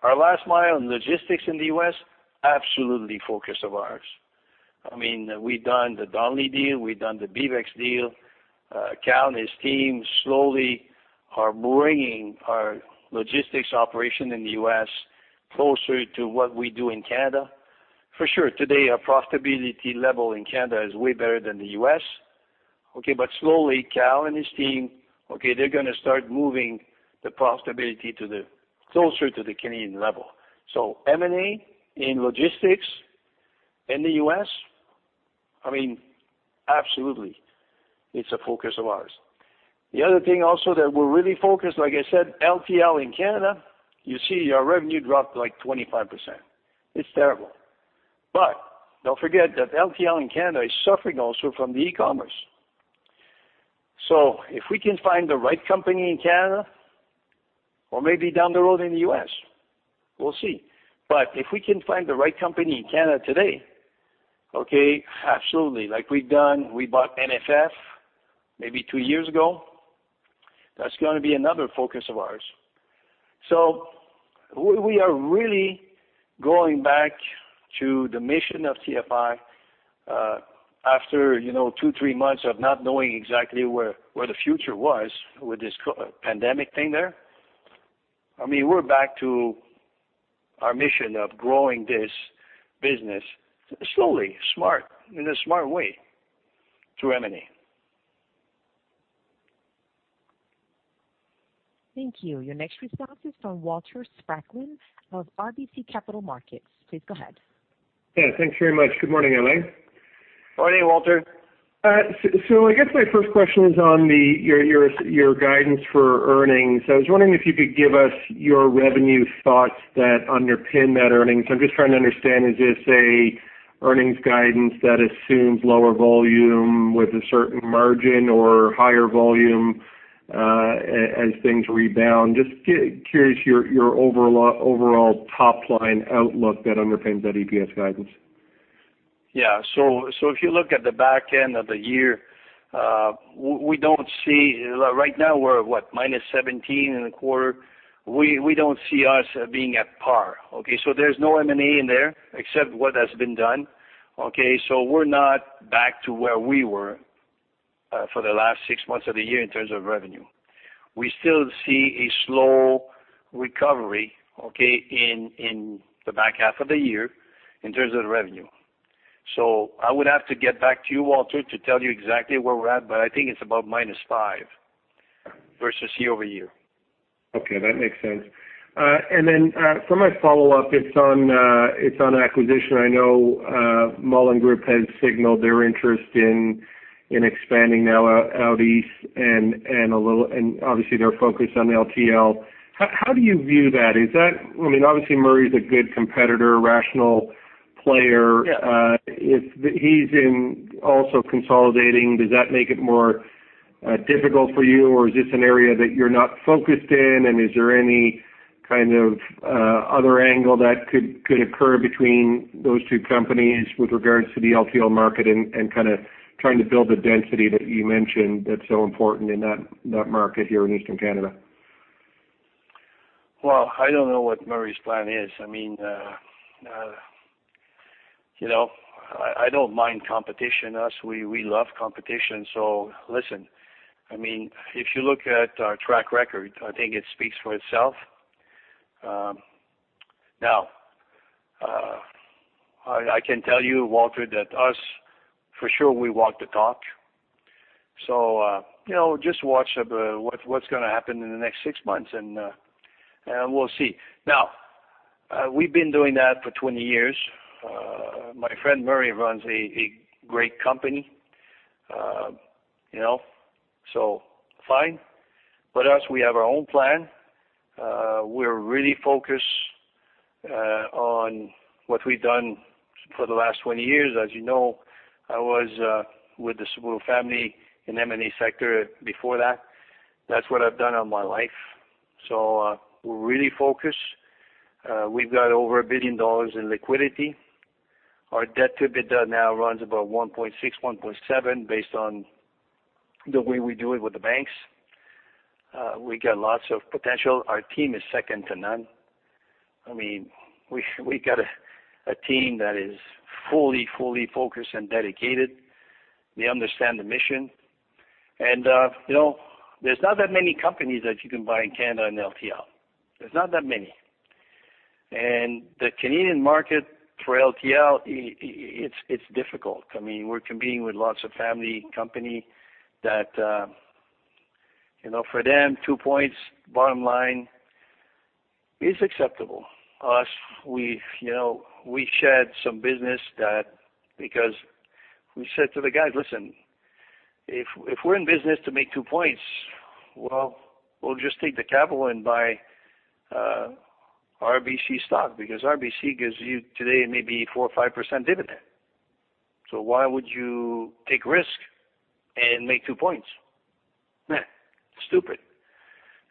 Our last mile in logistics in the U.S., absolutely focus of ours. We've done the Donnelley deal. We've done the BeavEx deal. Kal and his team slowly are bringing our logistics operation in the U.S. closer to what we do in Canada. For sure, today, our profitability level in Canada is way better than the U.S. Slowly, Kal and his team, they're going to start moving the profitability closer to the Canadian level. M&A in logistics in the U.S., absolutely, it's a focus of ours. The other thing also that we're really focused, like I said, LTL in Canada, you see our revenue dropped like 25%. It's terrible. Don't forget that LTL in Canada is suffering also from the e-commerce. If we can find the right company in Canada or maybe down the road in the U.S., we'll see. If we can find the right company in Canada today, okay, absolutely. We've done, we bought NFF maybe two years ago. That's going to be another focus of ours. We are really going back to the mission of TFI after two, three months of not knowing exactly where the future was with this pandemic thing there. We're back to our mission of growing this business slowly, in a smart way through M&A. Thank you. Your next response is from Walter Spracklin of RBC Capital Markets. Please go ahead. Yeah. Thanks very much. Good morning, Alain. Morning, Walter. I guess my first question is on your guidance for earnings. I was wondering if you could give us your revenue thoughts that underpin that earnings. I'm just trying to understand, is this an earnings guidance that assumes lower volume with a certain margin or higher volume, as things rebound? Just curious your overall top-line outlook that underpins that EPS guidance. If you look at the back end of the year, right now we're what, minus 17% in the quarter? We don't see us being at par. There's no M&A in there except what has been done. We're not back to where we were, for the last 6 months of the year in terms of revenue. We still see a slow recovery in the back half of the year in terms of revenue. I would have to get back to you, Walter, to tell you exactly where we're at, but I think it's about minus 5% versus year-over-year. Okay, that makes sense. For my follow-up, it's on acquisition. I know, Mullen Group has signaled their interest in expanding now out east and obviously they're focused on LTL. How do you view that? Obviously Murray's a good competitor, rational player. Yeah. If he's also consolidating, does that make it more difficult for you, or is this an area that you're not focused in? Is there any kind of other angle that could occur between those two companies with regards to the LTL market and trying to build the density that you mentioned that's so important in that market here in Eastern Canada? Well, I don't know what Murray's plan is. I don't mind competition. Us, we love competition. Listen, if you look at our track record, I think it speaks for itself. I can tell you, Walter, that us for sure we walk the talk. Just watch what's going to happen in the next six months and we'll see. We've been doing that for 20 years. My friend Murray runs a great company, so fine. Us, we have our own plan. We're really focused on what we've done for the last 20 years. As you know, I was with the Saputo family in M&A sector before that. That's what I've done all my life. We're really focused. We've got over 1 billion dollars in liquidity. Our debt to EBITDA now runs about 1.6, 1.7 based on the way we do it with the banks. We got lots of potential. Our team is second to none. We got a team that is fully focused and dedicated. They understand the mission. There's not that many companies that you can buy in Canada in LTL. There's not that many. The Canadian market for LTL, it's difficult. We're competing with lots of family company that, for them, two points, bottom line is acceptable. Us, we shed some business that because we said to the guys, "Listen, if we're in business to make two points, well, we'll just take the capital and buy RBC stock because RBC gives you today maybe 4% or 5% dividend." Why would you take risk and make two points? Nah, stupid.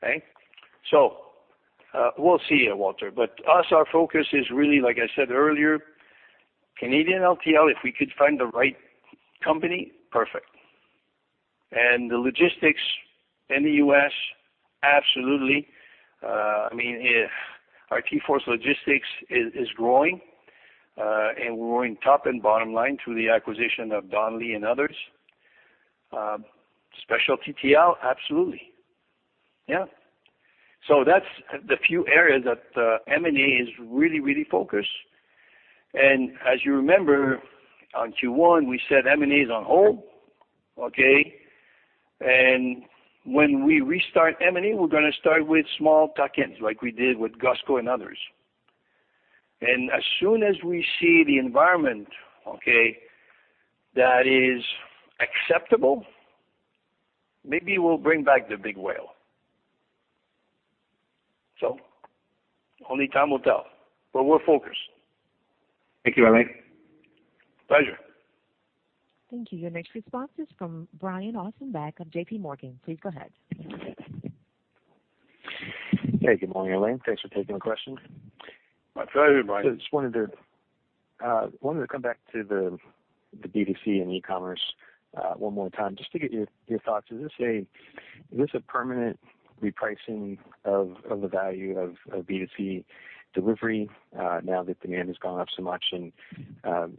Okay? We'll see Walter, but us, our focus is really, like I said earlier, Canadian LTL, if we could find the right company, perfect. The logistics in the U.S. absolutely. Our TForce Logistics is growing, and we're growing top and bottom line through the acquisition of Darnley and others. Specialty TL, absolutely. Yeah. That's the few areas that M&A is really focused. As you remember on Q1, we said M&A is on hold, okay? When we restart M&A, we're going to start with small tuck-ins like we did with Gusgo and others. As soon as we see the environment, okay, that is acceptable, maybe we'll bring back the big whale. Only time will tell, but we're focused. Thank you, Alain. Pleasure. Thank you. Your next response is from Brian Ossenbeck of JPMorgan. Please go ahead. Hey, good morning, Alain. Thanks for taking the question. My pleasure, Brian. Just wanted to come back to the B2C and e-commerce one more time, just to get your thoughts. Is this a permanent repricing of the value of B2C delivery now that demand has gone up so much and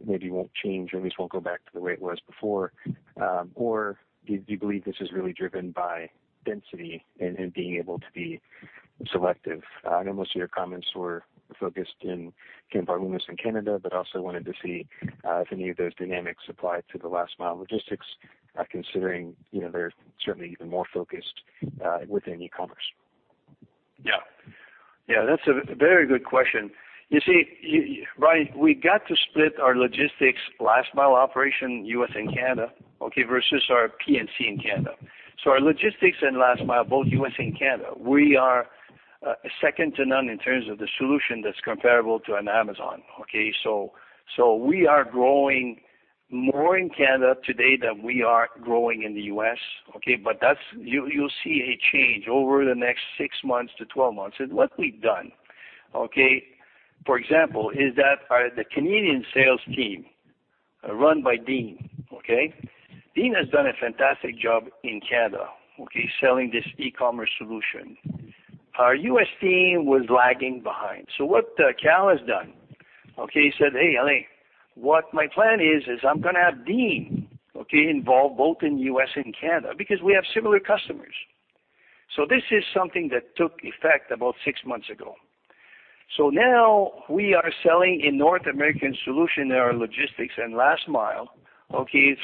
maybe won't change or at least won't go back to the way it was before? Do you believe this is really driven by density and being able to be selective? I know most of your comments were focused in Ken Barlumas in Canada. Also wanted to see if any of those dynamics apply to the last mile logistics, considering they're certainly even more focused within e-commerce. Yeah. That's a very good question. You see, Brian, we got to split our logistics last-mile operation U.S. and Canada, okay, versus our P&C in Canada. Our logistics and last mile, both U.S. and Canada, we are second to none in terms of the solution that's comparable to an Amazon. We are growing more in Canada today than we are growing in the U.S. You'll see a change over the next 6 months to 12 months. What we've done, for example, is that the Canadian sales team, run by Dean. Dean has done a fantastic job in Canada, selling this e-commerce solution. Our U.S. team was lagging behind. What Kal has done, he said, "Hey, Alain, what my plan is I'm going to have Dean involved both in U.S. and Canada, because we have similar customers." This is something that took effect about six months ago. Now we are selling a North American solution in our logistics and last mile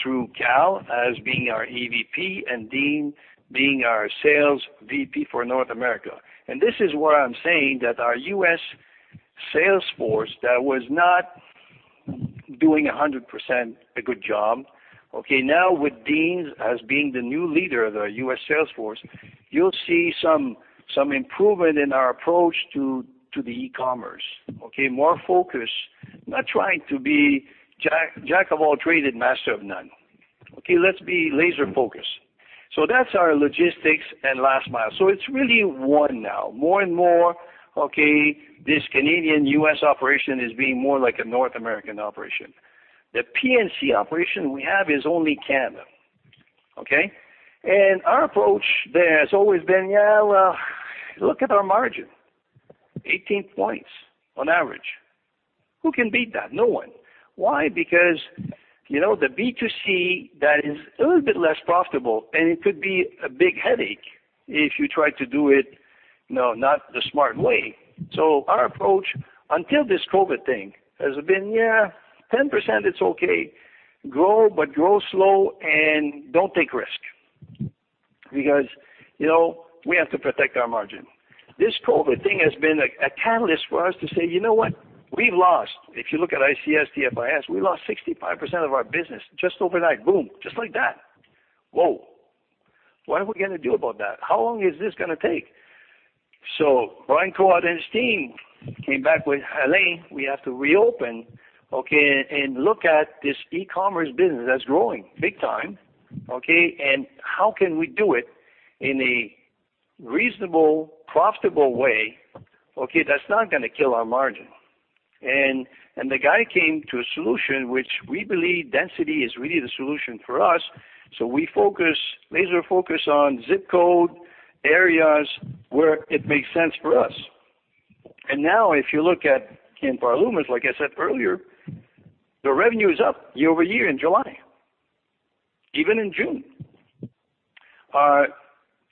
through Kal as being our EVP and Dean being our sales VP for North America. This is where I'm saying that our U.S. sales force that was not doing 100% a good job. Now with Dean as being the new leader of the U.S. sales force, you'll see some improvement in our approach to the e-commerce. More focus, not trying to be jack of all trades and master of none. Let's be laser-focused. That's our logistics and last mile. It's really one now. More and more, this Canadian-U.S. operation is being more like a North American operation. The P&C operation we have is only Canada. Our approach there has always been, well, look at our margin. 18 points on average. Who can beat that? No one. Why? The B2C, that is a little bit less profitable, and it could be a big headache if you try to do it not the smart way. Our approach, until this COVID-19 thing, has been, 10% it's okay. Grow, but grow slow and don't take risk. We have to protect our margin. This COVID-19 thing has been a catalyst for us to say, you know what? We've lost. If you look at ICS/TFIS, we lost 65% of our business just overnight. Boom. Just like that. Whoa. What are we going to do about that? How long is this going to take? Brian Coad and his team came back with, "Alain, we have to reopen and look at this e-commerce business that's growing big time, and how can we do it in a reasonable, profitable way that's not going to kill our margin." The guy came to a solution, which we believe density is really the solution for us. We laser focus on zip code areas where it makes sense for us. Now if you look at Canpar/Loomis, like I said earlier, the revenue is up year-over-year in July. Even in June.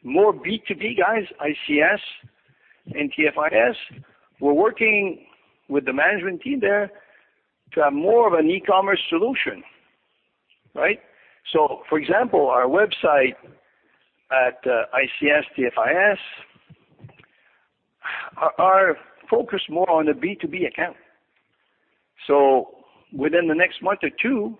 More B2B guys, ICS and TFIS. We're working with the management team there to have more of an e-commerce solution. For example, our website at ICS/TFIS are focused more on the B2B account. Within the next month or two,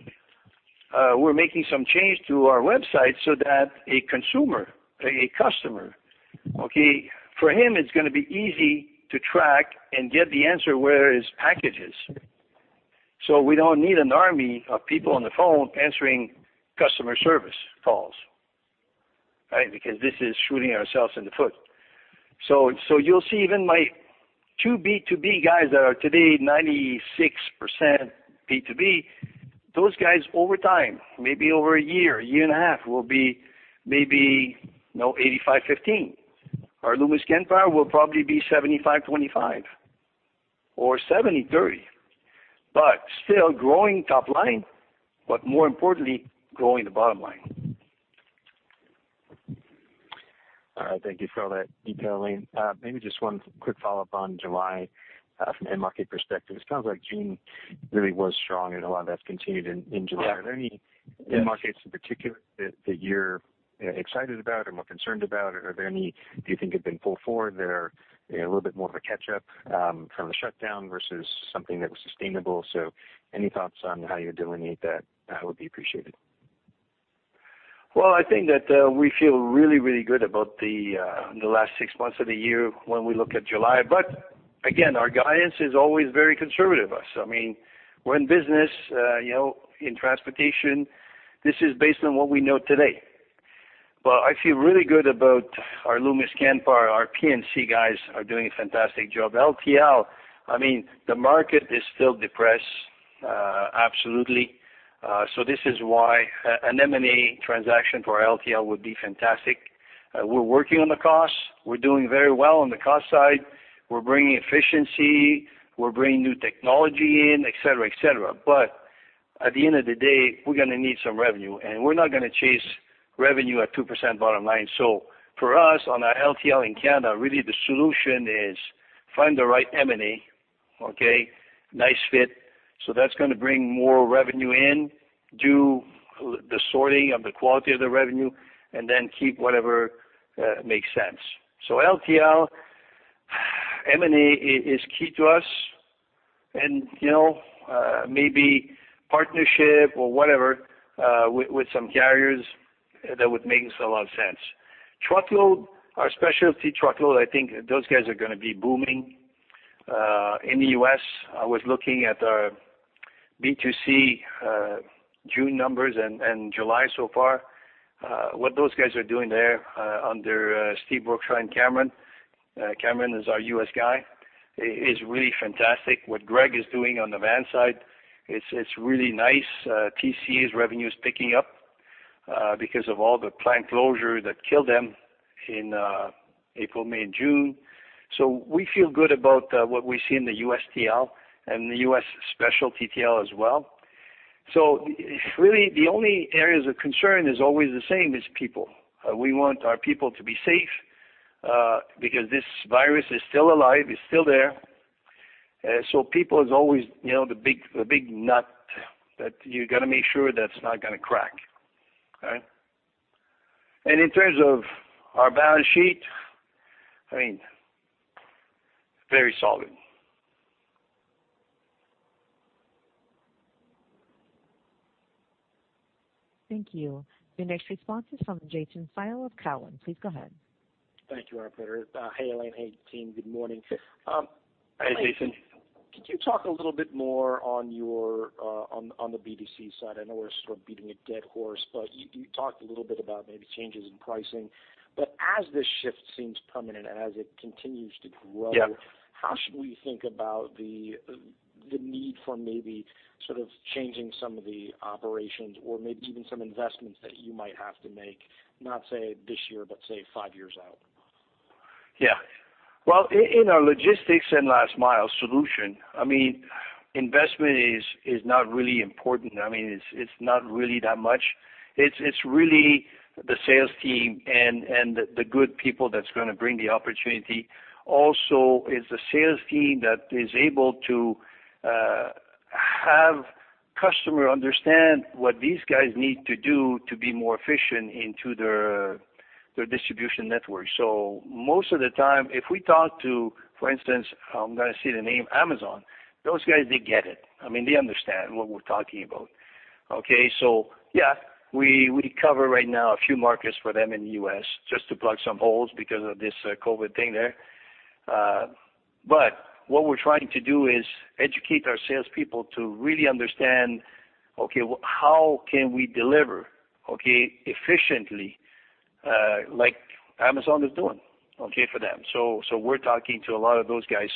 we're making some change to our website so that a consumer, a customer, for him, it's going to be easy to track and get the answer where his package is. We don't need an army of people on the phone answering customer service calls. This is shooting ourselves in the foot. You'll see even my two B2B guys that are today 96% B2B, those guys over time, maybe over a year and a half, will be maybe now 85/15. Our Loomis/Canpar will probably be 75/25 or 70/30. Still growing top line, but more importantly, growing the bottom line. All right. Thank you for all that detail, Alain. Maybe just one quick follow-up on July from an end market perspective. It sounds like June really was strong and a lot of that's continued in July. Yeah. Are there any end markets in particular that you're excited about or more concerned about? Are there any you think have been pulled forward that are a little bit more of a catch-up from the shutdown versus something that was sustainable? Any thoughts on how you delineate that would be appreciated. Well, I think that we feel really, really good about the last 6 months of the year when we look at July. Again, our guidance is always very conservative. We're in business, in transportation. This is based on what we know today. I feel really good about our Loomis/Canpar. Our P&C guys are doing a fantastic job. LTL, the market is still depressed, absolutely. This is why an M&A transaction for LTL would be fantastic. We're working on the costs. We're doing very well on the cost side. We're bringing efficiency. We're bringing new technology in, et cetera. At the end of the day, we're going to need some revenue, and we're not going to chase revenue at 2% bottom line. For us on our LTL in Canada, really the solution is find the right M&A. Nice fit. That's going to bring more revenue in, do the sorting of the quality of the revenue, keep whatever makes sense. LTLM&A is key to us and maybe partnership or whatever with some carriers that would make us a lot of sense. Truckload, our Specialty Truckload, I think those guys are going to be booming, in the U.S. I was looking at our B2C June numbers and July so far. What those guys are doing there under Steve Brookshaw and Cameron. Cameron is our U.S. guy. It's really fantastic what Greg is doing on the van side. It's really nice. TCA's revenue is picking up, because of all the plant closure that killed them in April, May and June. We feel good about what we see in the USTL and the U.S. Specialty TL as well. Really the only areas of concern is always the same, is people. We want our people to be safe, because this virus is still alive, it's still there. People is always the big nut that you got to make sure that's not going to crack. Right? In terms of our balance sheet, I mean, very solid. Thank you. Your next response is from Jason Seidl of Cowen. Please go ahead. Thank you, operator. Hey, Alain. Hey, team. Good morning. Hi, Jason. Could you talk a little bit more on the B2C side? I know we're sort of beating a dead horse, but you talked a little bit about maybe changes in pricing. As this shift seems permanent and as it continues to grow- Yeah. How should we think about the need for maybe sort of changing some of the operations or maybe even some investments that you might have to make, not say this year, but say five years out? Well, in our logistics and last mile solution, investment is not really important. It's not really that much. It's really the sales team and the good people that's going to bring the opportunity. Also, it's the sales team that is able to have customer understand what these guys need to do to be more efficient into their distribution network. Most of the time, if we talk to, for instance, I'm going to say the name Amazon, those guys, they get it. They understand what we're talking about. Okay, yeah, we cover right now a few markets for them in the U.S. just to plug some holes because of this COVID thing there. What we're trying to do is educate our salespeople to really understand, okay, how can we deliver, okay, efficiently, like Amazon is doing, okay, for them. We're talking to a lot of those guys.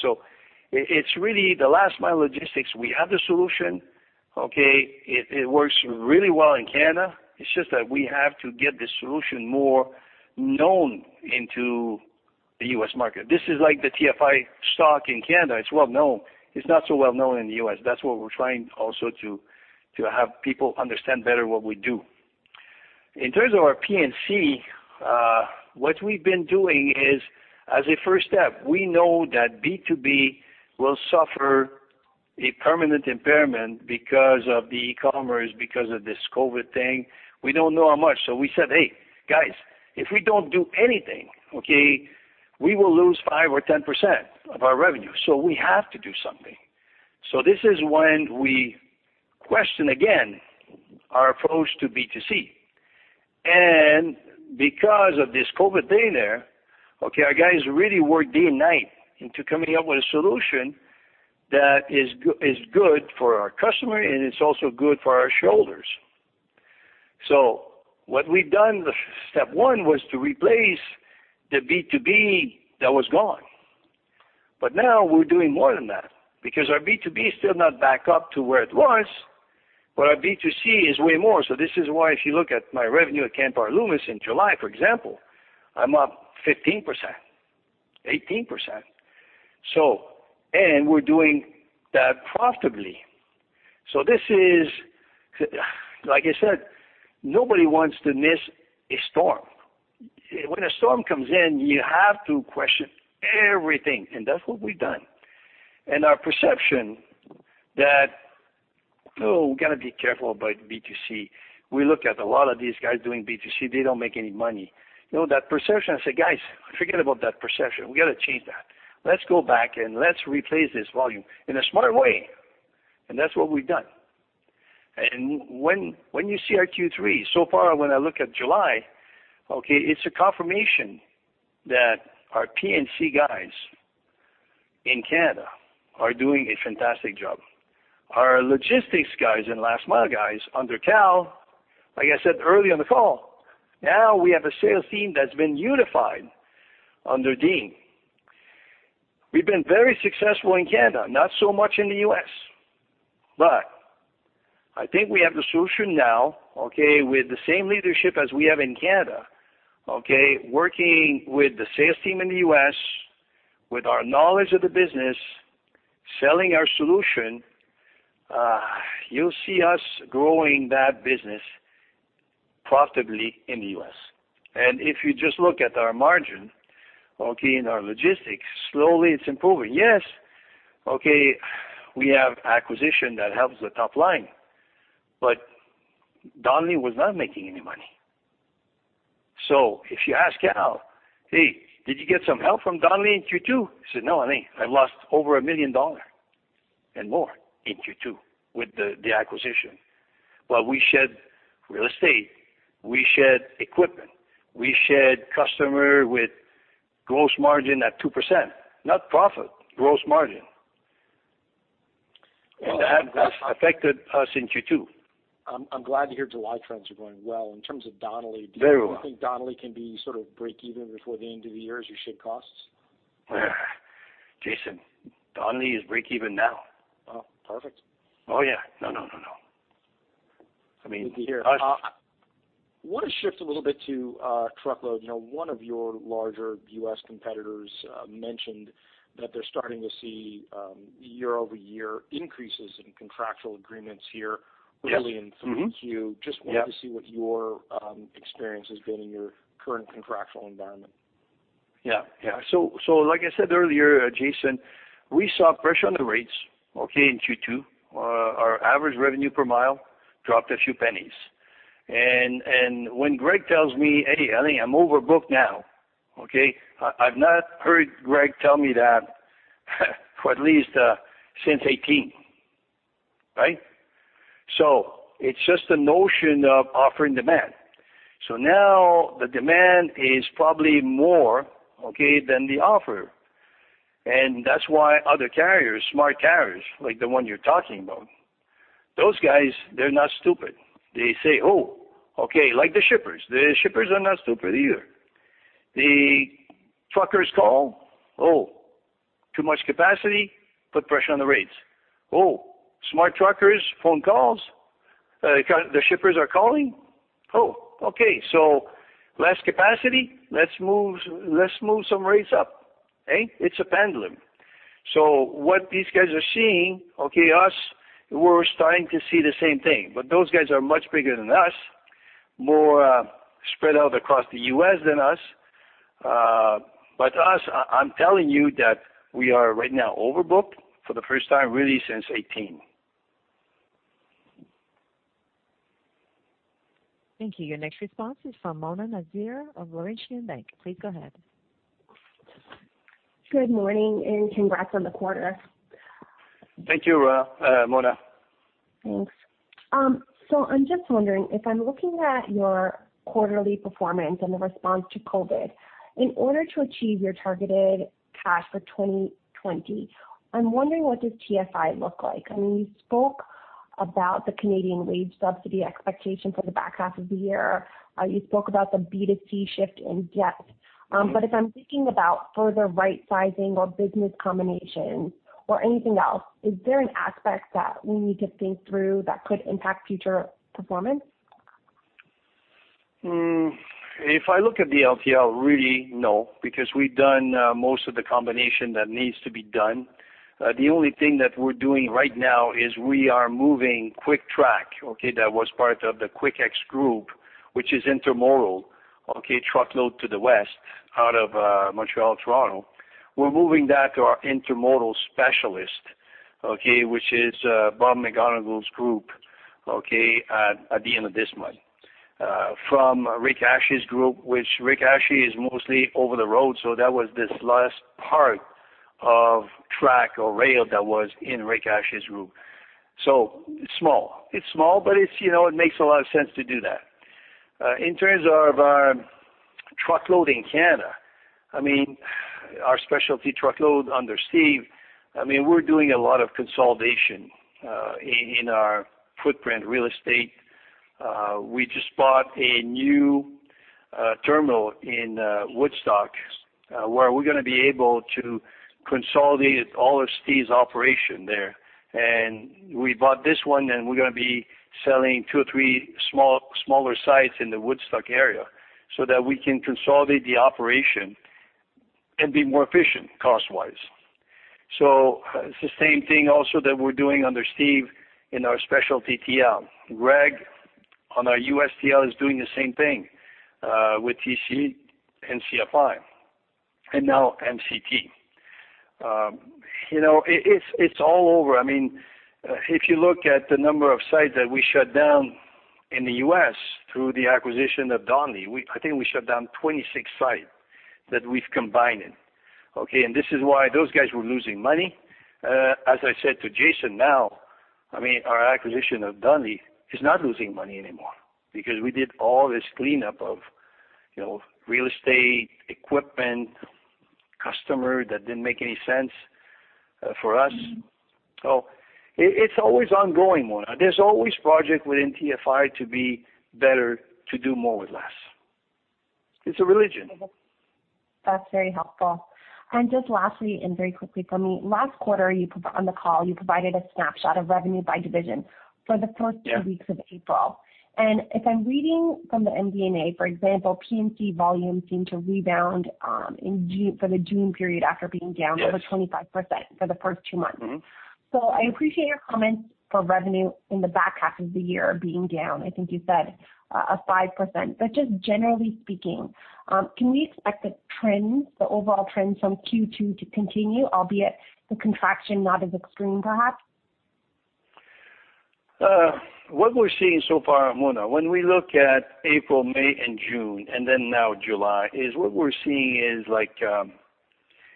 It's really the last mile logistics. We have the solution, okay. It works really well in Canada. It's just that we have to get the solution more known into the U.S. market. This is like the TFI stock in Canada. It's well known. It's not so well known in the U.S. That's what we're trying also to have people understand better what we do. In terms of our P&C, what we've been doing is as a first step, we know that B2B will suffer a permanent impairment because of the e-commerce, because of this COVID thing. We don't know how much. We said, "Hey guys, if we don't do anything, okay, we will lose 5% or 10% of our revenue, so we have to do something." This is when we question again our approach to B2C. Because of this COVID-19 thing there, okay, our guys really worked day and night into coming up with a solution that is good for our customer and it's also good for our shareholders. What we've done, the step 1 was to replace the B2B that was gone. Now we're doing more than that because our B2B is still not back up to where it was, but our B2C is way more. This is why if you look at my revenue at Canpar Loomis in July, for example, I'm up 15%, 18%. We're doing that profitably. This is, like I said, nobody wants to miss a storm. When a storm comes in, you have to question everything, and that's what we've done. Our perception that, oh, we got to be careful about B2C. We look at a lot of these guys doing B2C, they don't make any money. That perception, I say, "Guys, forget about that perception. We got to change that. Let's go back and let's replace this volume in a smart way." That's what we've done. When you see our Q3, so far, when I look at July, okay, it's a confirmation that our P&C guys in Canada are doing a fantastic job. Our logistics guys and last mile guys under Kal, like I said early on the call, now we have a sales team that's been unified under Dean. We've been very successful in Canada, not so much in the U.S. I think we have the solution now, okay, with the same leadership as we have in Canada, okay. Working with the sales team in the U.S., with our knowledge of the business, selling our solution, you'll see us growing that business profitably in the U.S. If you just look at our margin, okay, in our logistics, slowly it's improving. Yes, okay, we have acquisition that helps the top line. Donnelley was not making any money. If you ask Al, "Hey, did you get some help from Donnelley in Q2?" He said, "No, Alain, I lost over 1 million dollars and more in Q2 with the acquisition." Well, we shed real estate, we shed equipment, we shed customer with gross margin at 2%, not profit, gross margin. Wow. That's affected us in Q2. I'm glad to hear July trends are going well. Very well. Do you think Donnelley can be sort of breakeven before the end of the year as you shed costs? Jason, Donnelley is breakeven now. Oh, perfect. Oh, yeah. No, no, no. I mean. Good to hear. I want to shift a little bit to truckload. One of your larger U.S. competitors mentioned that they're starting to see year-over-year increases in contractual agreements here early in Q3. Yes. Mm-hmm. Yep. Just wanted to see what your experience has been in your current contractual environment. Like I said earlier, Jason, we saw pressure on the rates, okay, in Q2. Our average revenue per mile dropped a few pennies. When Greg tells me, "Hey, Alain, I'm overbooked now." Okay? I've not heard Greg tell me that, for at least since 2018. Right? It's just the notion of offer and demand. Now the demand is probably more, okay, than the offer. That's why other carriers, smart carriers, like the one you're talking about, those guys, they're not stupid. They say, "Oh, okay." Like the shippers. The shippers are not stupid either. The truckers call, "Oh, too much capacity," put pressure on the rates. Oh, smart truckers, phone calls. The shippers are calling. Oh, okay. Less capacity. Let's move some rates up. Hey? It's a pendulum. What these guys are seeing, okay, us, we're starting to see the same thing, but those guys are much bigger than us, more spread out across the U.S. than us. Us, I'm telling you that we are right now overbooked for the first time, really since 2018. Thank you. Your next response is from Mona Nazir of Laurentian Bank. Please go ahead. Good morning. Congrats on the quarter. Thank you, Mona. Thanks. I'm just wondering if I'm looking at your quarterly performance and the response to COVID. In order to achieve your targeted cash for 2020, I'm wondering what does TFI look like? I mean, you spoke about the Canadian wage subsidy expectation for the back half of the year. You spoke about the B2C shift in depth. If I'm thinking about further right-sizing or business combinations or anything else, is there an aspect that we need to think through that could impact future performance? If I look at the LTL, really, no, because we've done most of the combination that needs to be done. The only thing that we're doing right now is we are moving Quik Trak, okay, that was part of the Quik X group, which is intermodal, okay, truckload to the west out of Montreal, Toronto. We're moving that to our intermodal specialist, okay, which is Bob McGonigle's group, okay, at the end of this month. From Rick Hashie's group, which Rick Hashie is mostly over the road, so that was this last part of track or rail that was in Rick Hashie's group. It's small. It's small, but it makes a lot of sense to do that. In terms of our truckload in Canada, I mean, our specialty truckload under Steve, I mean, we're doing a lot of consolidation in our footprint real estate. We just bought a new terminal in Woodstock, where we're going to be able to consolidate all of Steve's operation there. We bought this one, and we're going to be selling two or three smaller sites in the Woodstock area so that we can consolidate the operation and be more efficient cost-wise. It's the same thing also that we're doing under Steve in our special TTL. Greg on our USTL is doing the same thing, with TCA and CFI and now MCT. It's all over. I mean, if you look at the number of sites that we shut down in the U.S. through the acquisition of Donnelley, I think we shut down 26 sites that we've combined. Okay? This is why those guys were losing money. As I said to Jason, I mean, our acquisition of Donnelley is not losing money anymore because we did all this cleanup of real estate, equipment, customer that didn't make any sense for us. It's always ongoing, Mona. There's always project within TFI to be better, to do more with less. It's a religion. That's very helpful. Just lastly and very quickly for me, last quarter on the call, you provided a snapshot of revenue by division for the first two weeks of April. If I'm reading from the MD&A, for example, P&C volume seemed to rebound for the June period after being down. Yes over 25% for the first two months. I appreciate your comments for revenue in the back half of the year being down, I think you said, 5%. Just generally speaking, can we expect the trends, the overall trends from Q2 to continue, albeit the contraction not as extreme perhaps? What we're seeing so far, Mona, when we look at April, May, and June, and then now July, is what we're seeing is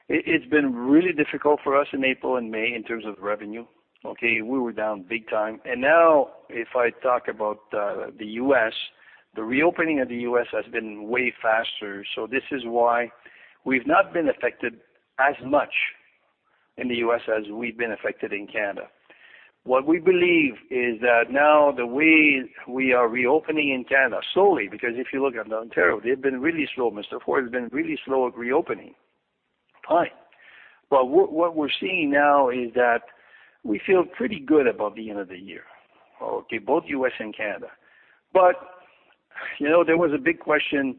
it's been really difficult for us in April and May in terms of revenue. Okay? We were down big time. Now if I talk about the U.S., the reopening of the U.S. has been way faster, so this is why we've not been affected as much in the U.S. as we've been affected in Canada. What we believe is that now the way we are reopening in Canada, slowly, because if you look at Ontario, they've been really slow, Mr. Ford has been really slow at reopening. What we're seeing now is that we feel pretty good about the end of the year. Okay? Both U.S. and Canada. There was a big question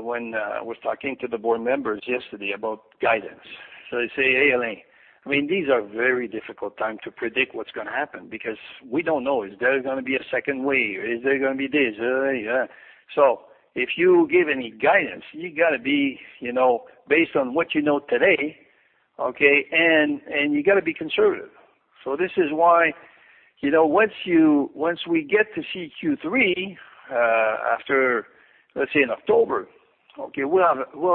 when I was talking to the board members yesterday about guidance. They say, "Hey, Alain." These are very difficult time to predict what's going to happen because we don't know, is there going to be a second wave? Is there going to be this? If you give any guidance, you got to be, based on what you know today, okay, and you got to be conservative. This is why, once we get to see Q3, after, let's say in October, okay, we'll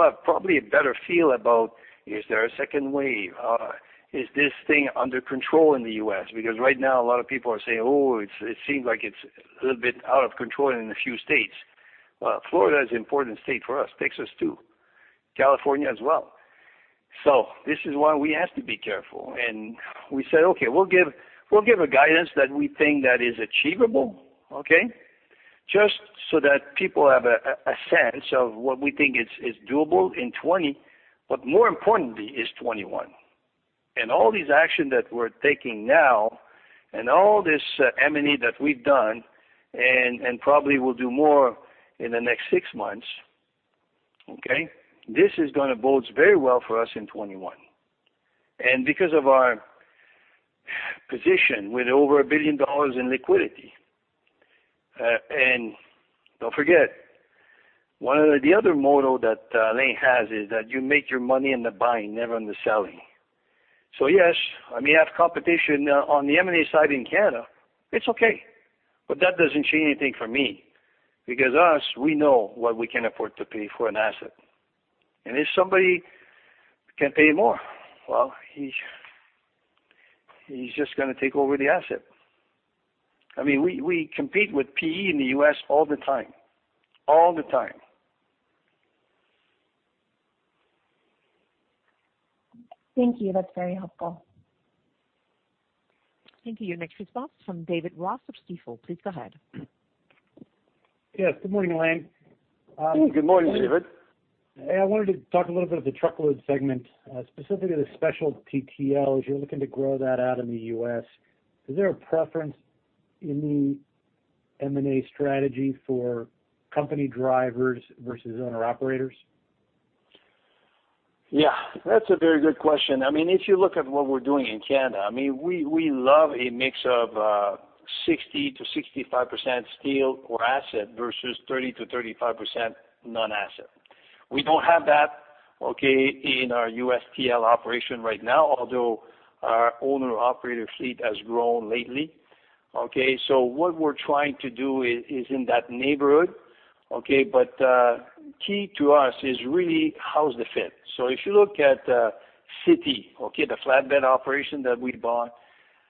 have probably a better feel about is there a second wave? Is this thing under control in the U.S.? Because right now a lot of people are saying, "Oh, it seems like it's a little bit out of control in a few states." Well, Florida is an important state for us. Texas too. California as well. This is why we have to be careful and we said, "Okay, we'll give a guidance that we think that is achievable." Just so that people have a sense of what we think is doable in 2020, but more importantly is 2021. All these action that we're taking now and all this M&A that we've done and probably will do more in the next six months. This is going to bodes very well for us in 2021. Because of our position with over 1 billion dollars in liquidity. Don't forget, one of the other motto that Alain has is that you make your money in the buying, never in the selling. Yes, I may have competition on the M&A side in Canada, it's okay, but that doesn't change anything for me, because us, we know what we can afford to pay for an asset. If somebody can pay more, well, he's just going to take over the asset. We compete with PE in the U.S. all the time. All the time. Thank you. That's very helpful. Thank you. Your next response from David Ross of Stifel. Please go ahead. Yes. Good morning, Alain. Good morning, David. I wanted to talk a little bit of the truckload segment, specifically the specialty TL, as you're looking to grow that out in the U.S. Is there a preference in the M&A strategy for company drivers versus owner-operators? Yeah, that's a very good question. If you look at what we're doing in Canada, we love a mix of 60%-65% specialty or asset versus 30%-35% non-asset. We don't have that, okay, in our USTL operation right now, although our owner operator fleet has grown lately. Okay. What we're trying to do is in that neighborhood, okay, key to us is really how's the fit. If you look at CT, okay, the flatbed operation that we bought,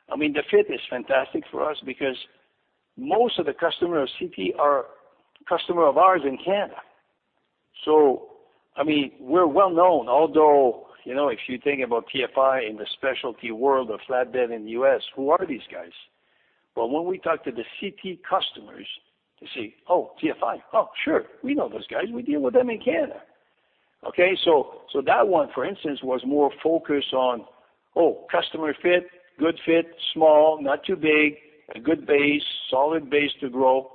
the fit is fantastic for us because most of the customers of CT are customer of ours in Canada. We're well-known, although, if you think about TFI in the specialty world of flatbed in the U.S., who are these guys? When we talk to the CT customers, they say, "Oh, TFI. Oh, sure. We know those guys. We deal with them in Canada." Okay. That one, for instance, was more focused on, customer fit, good fit, small, not too big, a good base, solid base to grow.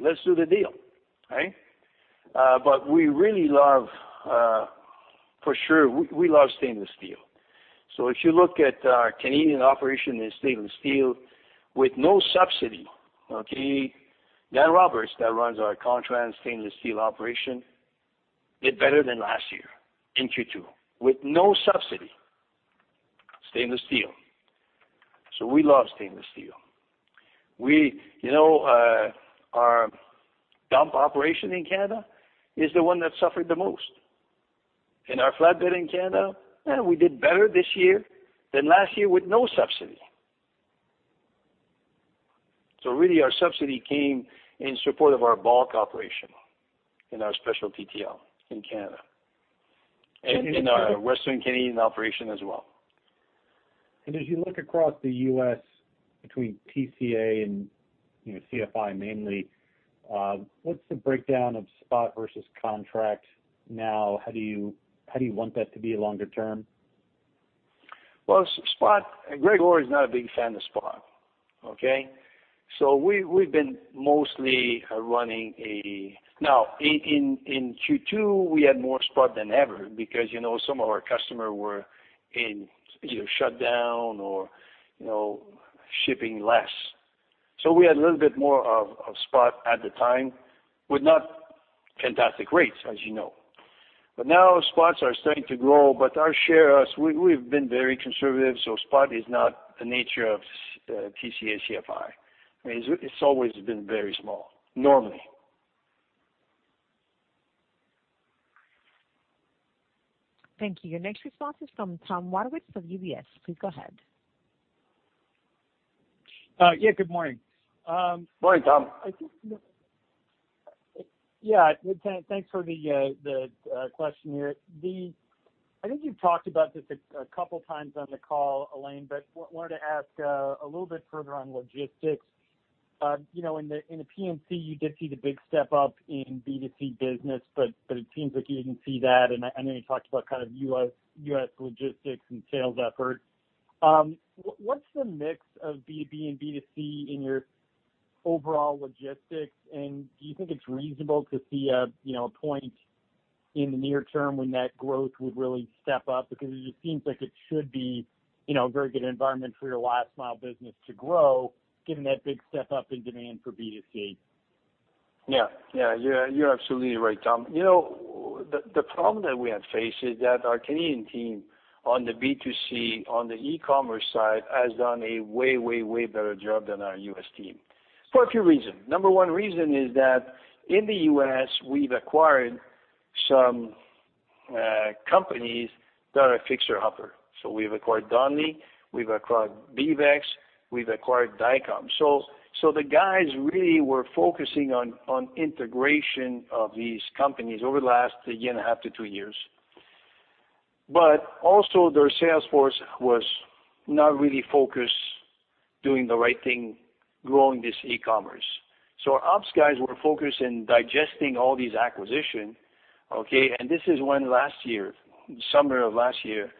Let's do the deal. Right? We really love, for sure, we love stainless steel. If you look at our Canadian operation in stainless steel with no subsidy, Dan Roberts, that runs our contract stainless steel operation, did better than last year in Q2 with no subsidy. Stainless steel. We love stainless steel. Our dump operation in Canada is the one that suffered the most. Our flatbed in Canada, we did better this year than last year with no subsidy. Really our subsidy came in support of our bulk operation in our specialty TL in Canada, and in our Western Canadian operation as well. As you look across the U.S. between TCA and CFI mainly, what's the breakdown of spot versus contract now? How do you want that to be longer term? Spot, Greg Orr is not a big fan of spot. Okay? Now, in Q2, we had more spot than ever because some of our customer were in either shut down or shipping less. We had a little bit more of spot at the time with not fantastic rates, as you know. Now spots are starting to grow, but our share, we've been very conservative, so spot is not the nature of TCA CFI. I mean, it's always been very small, normally. Thank you. Your next response is from Tom Wadewitz of UBS. Please go ahead. Yeah, good morning. Morning, Tom. Yeah. Thanks for the question here. I think you've talked about this a couple of times on the call, Alain. Wanted to ask a little bit further on logistics. In the P&C, you did see the big step up in B2C business. It seems like you didn't see that. I know you talked about kind of U.S. logistics and sales efforts. What's the mix of B2B and B2C in your overall logistics? Do you think it's reasonable to see a point in the near term when that growth would really step up? It just seems like it should be a very good environment for your last mile business to grow, given that big step up in demand for B2C. Yeah. You're absolutely right, Tom. The problem that we have faced is that our Canadian team on the B2C, on the e-commerce side, has done a way better job than our U.S. team, for a few reasons. Number one reason is that in the U.S., we've acquired some companies that are fixer-upper. We've acquired Donnelley, we've acquired BeavEx, we've acquired Dynamex. The guys really were focusing on integration of these companies over the last year and a half to two years. Also their sales force was not really focused doing the right thing, growing this e-commerce. Our ops guys were focused in digesting all these acquisition, okay? This is when last year, summer of last year,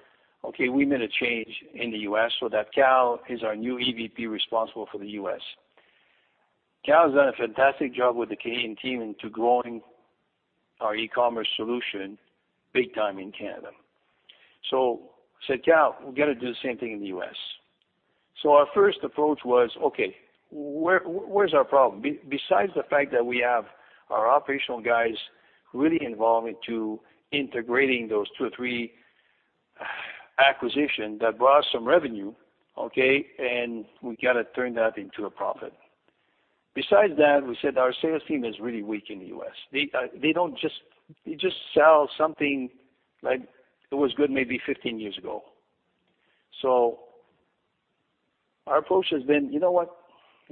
okay, we made a change in the U.S. so that Kal is our new EVP responsible for the U.S. Kal has done a fantastic job with the Canadian team into growing our e-commerce solution big time in Canada. I said, "Kal, we've got to do the same thing in the U.S." Our first approach was, okay, where's our problem? Besides the fact that we have our operational guys really involved into integrating those two or three acquisitions that brought us some revenue, okay, and we got to turn that into a profit. Besides that, we said our sales team is really weak in the U.S. They just sell something like it was good maybe 15 years ago. Our approach has been, you know what.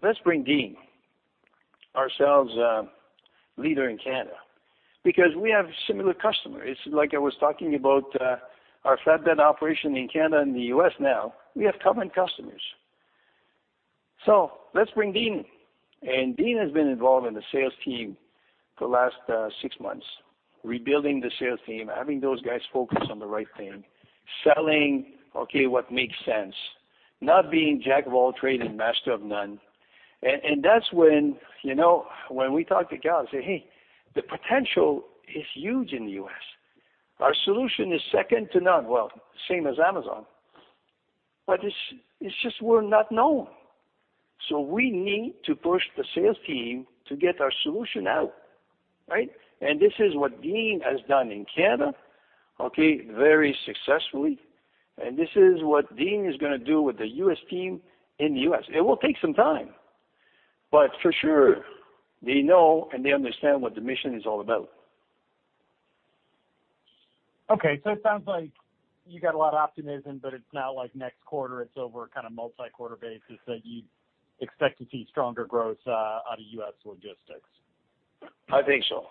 Let's bring Dean, our sales leader in Canada, because we have similar customers. Like I was talking about our flatbed operation in Canada and the U.S. now, we have common customers. Let's bring Dean in. Dean has been involved in the sales team for the last six months, rebuilding the sales team, having those guys focused on the right thing, selling, okay, what makes sense, not being jack of all trades and master of none. That's when we talked to Kal and say, "Hey, the potential is huge in the U.S. Our solution is second to none." Well, same as Amazon. It's just we're not known. We need to push the sales team to get our solution out. Right? This is what Dean has done in Canada, okay, very successfully. This is what Dean is going to do with the U.S. team in the U.S. It will take some time, but for sure, they know and they understand what the mission is all about. Okay. It sounds like you got a lot of optimism, but it's not like next quarter, it's over kind of multi-quarter basis that you expect to see stronger growth out of U.S. logistics. I think so.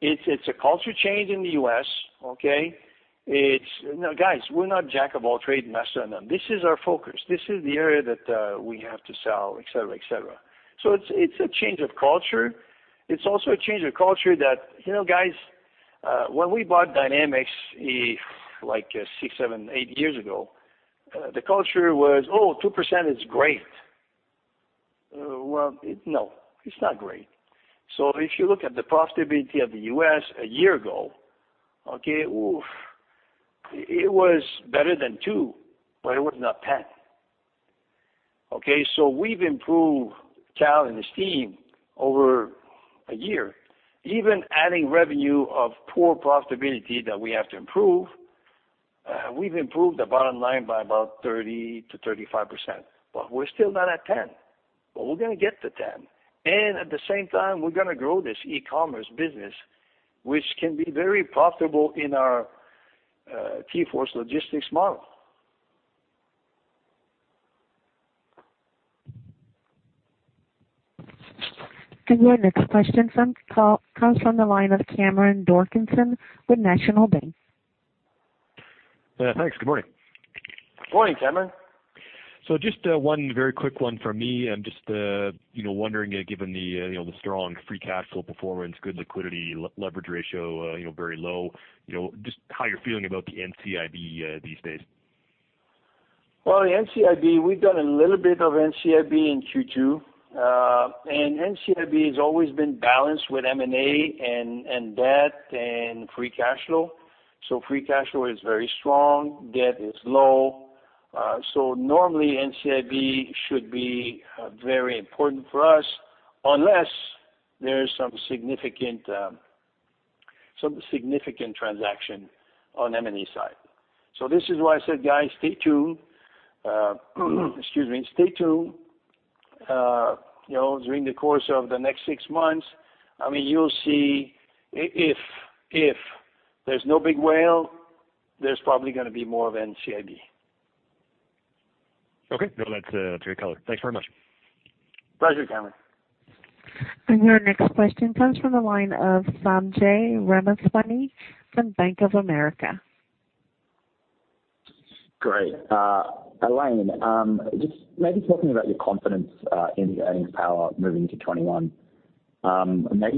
It's a culture change in the U.S., okay? It's, "Guys, we're not jack of all trades, master of none. This is our focus. This is the area that we have to sell," et cetera. It's a change of culture. It's also a change of culture that, guys, when we bought Dynamex, like six, seven, eight years ago, the culture was, oh, 2% is great. Well, no, it's not great. If you look at the profitability of the U.S. a year ago, okay, it was better than two, but it was not 10. Okay? We've improved Kal and his team over a year. Even adding revenue of poor profitability that we have to improve, we've improved the bottom line by about 30%-35%, but we're still not at 10. We're going to get to 10. At the same time, we're going to grow this e-commerce business, which can be very profitable in our TForce Logistics model. Your next question comes from the line of Cameron Doerksen with National Bank. Yeah, thanks. Good morning. Good morning, Cameron. Just one very quick one from me. I'm just wondering, given the strong free cash flow performance, good liquidity, leverage ratio very low, just how you're feeling about the NCIB these days? Well, the NCIB, we've done a little bit of NCIB in Q2. NCIB has always been balanced with M&A and debt and free cash flow. Free cash flow is very strong, debt is low. Normally NCIB should be very important for us unless there's some significant transaction on M&A side. This is why I said, guys, stay tuned. Excuse me. Stay tuned during the course of the next six months. You'll see if there's no big whale, there's probably going to be more of NCIB. Okay. No, that's a great color. Thanks very much. Pleasure, Cameron. Your next question comes from the line of Sanjay Ramaswamy from Bank of America. Great. Alain,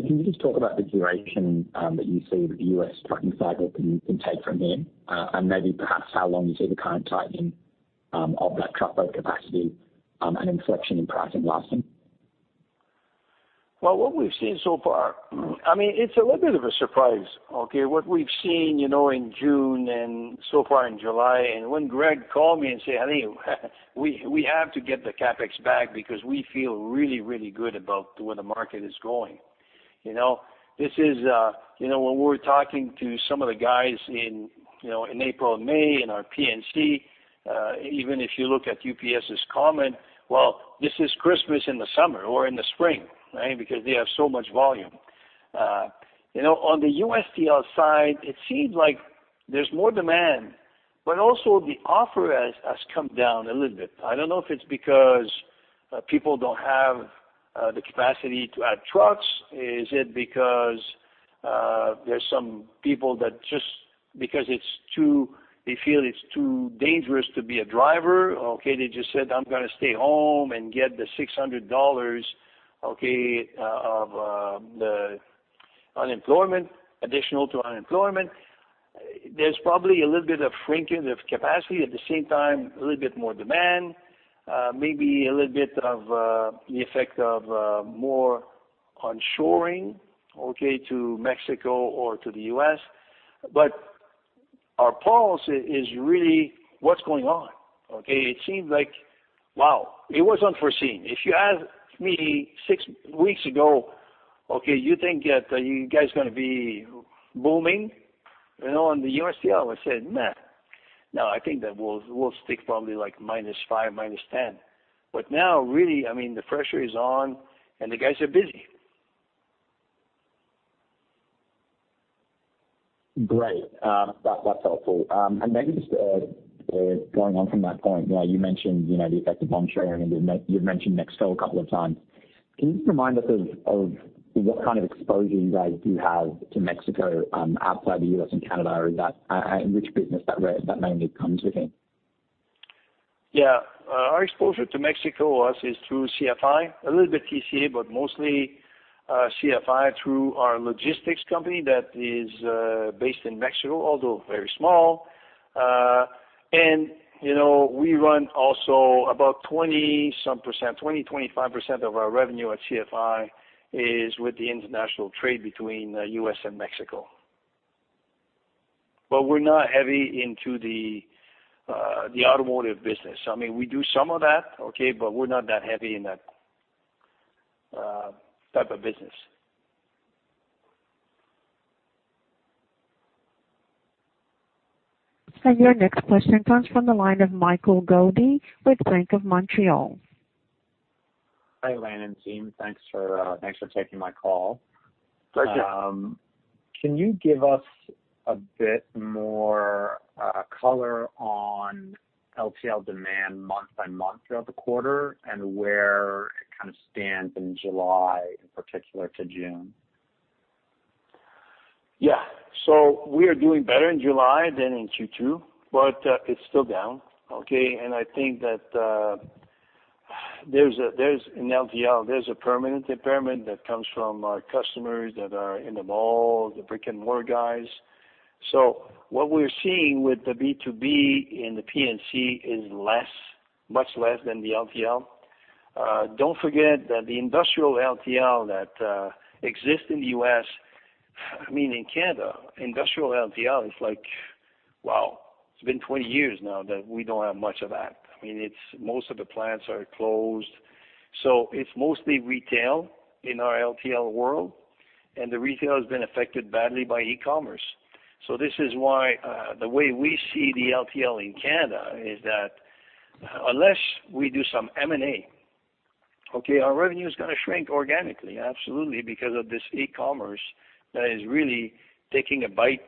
can you just talk about the duration that you see the U.S. trucking cycle can take from here? Maybe perhaps how long you see the current tightening of that truckload capacity, an inflection in pricing lasting, moving to 2021? What we've seen so far, it's a little bit of a surprise, okay. What we've seen in June and so far in July, when Greg called me and said, "Alain, we have to get the CapEx back because we feel really, really good about where the market is going." When we were talking to some of the guys in April and May in our P&C, even if you look at UPS's comment, this is Christmas in the summer or in the spring, right. They have so much volume. On the USTL side, it seems like there's more demand, also, the offer has come down a little bit. I don't know if it's because people don't have the capacity to add trucks. Is it because there's some people that just because they feel it's too dangerous to be a driver, okay. They just said, "I'm going to stay home and get the $600, okay, of the additional unemployment." There's probably a little bit of shrinking of capacity, at the same time, a little bit more demand. Maybe a little bit of the effect of more onshoring, okay, to Mexico or to the U.S. Our pulse is really what's going on, okay? It seems like, wow, it was unforeseen. If you asked me six weeks ago, "Okay, you think that you guys are going to be booming on the USTL?" I would've said, "Nah. I think that we'll stick probably like minus five, minus 10." Now, really, the pressure is on and the guys are busy. Great. That's helpful. Maybe just going on from that point, you mentioned the effect of onshoring and you've mentioned Mexico a couple of times. Can you just remind us of what kind of exposure you guys do have to Mexico outside the U.S. and Canada? Or is that, and which business that mainly comes within? Yeah. Our exposure to Mexico is through CFI, a little bit TCA, but mostly CFI through our logistics company that is based in Mexico, although very small. We run also about 20-some percent, 20%, 25% of our revenue at CFI is with the international trade between the U.S. and Mexico. We're not heavy into the automotive business. We do some of that, okay? We're not that heavy in that type of business. Your next question comes from the line of Michael Goldie with Bank of Montreal. Hi, Alain and team. Thanks for taking my call. Pleasure. Can you give us a bit more color on LTL demand month by month throughout the quarter and where it kind of stands in July, in particular to June? Yeah. We are doing better in July than in Q2, but it's still down, okay? I think that in LTL, there's a permanent impairment that comes from our customers that are in the mall, the brick-and-mortar guys. What we're seeing with the B2B in the P&C is much less than the LTL. Don't forget that the industrial LTL that exists in the U.S., I mean, in Canada, industrial LTL is like, wow, it's been 20 years now that we don't have much of that. Most of the plants are closed. It's mostly retail in our LTL world, and the retail has been affected badly by e-commerce. This is why the way we see the LTL in Canada is that unless we do some M&A, okay, our revenue's going to shrink organically, absolutely because of this e-commerce that is really taking a bite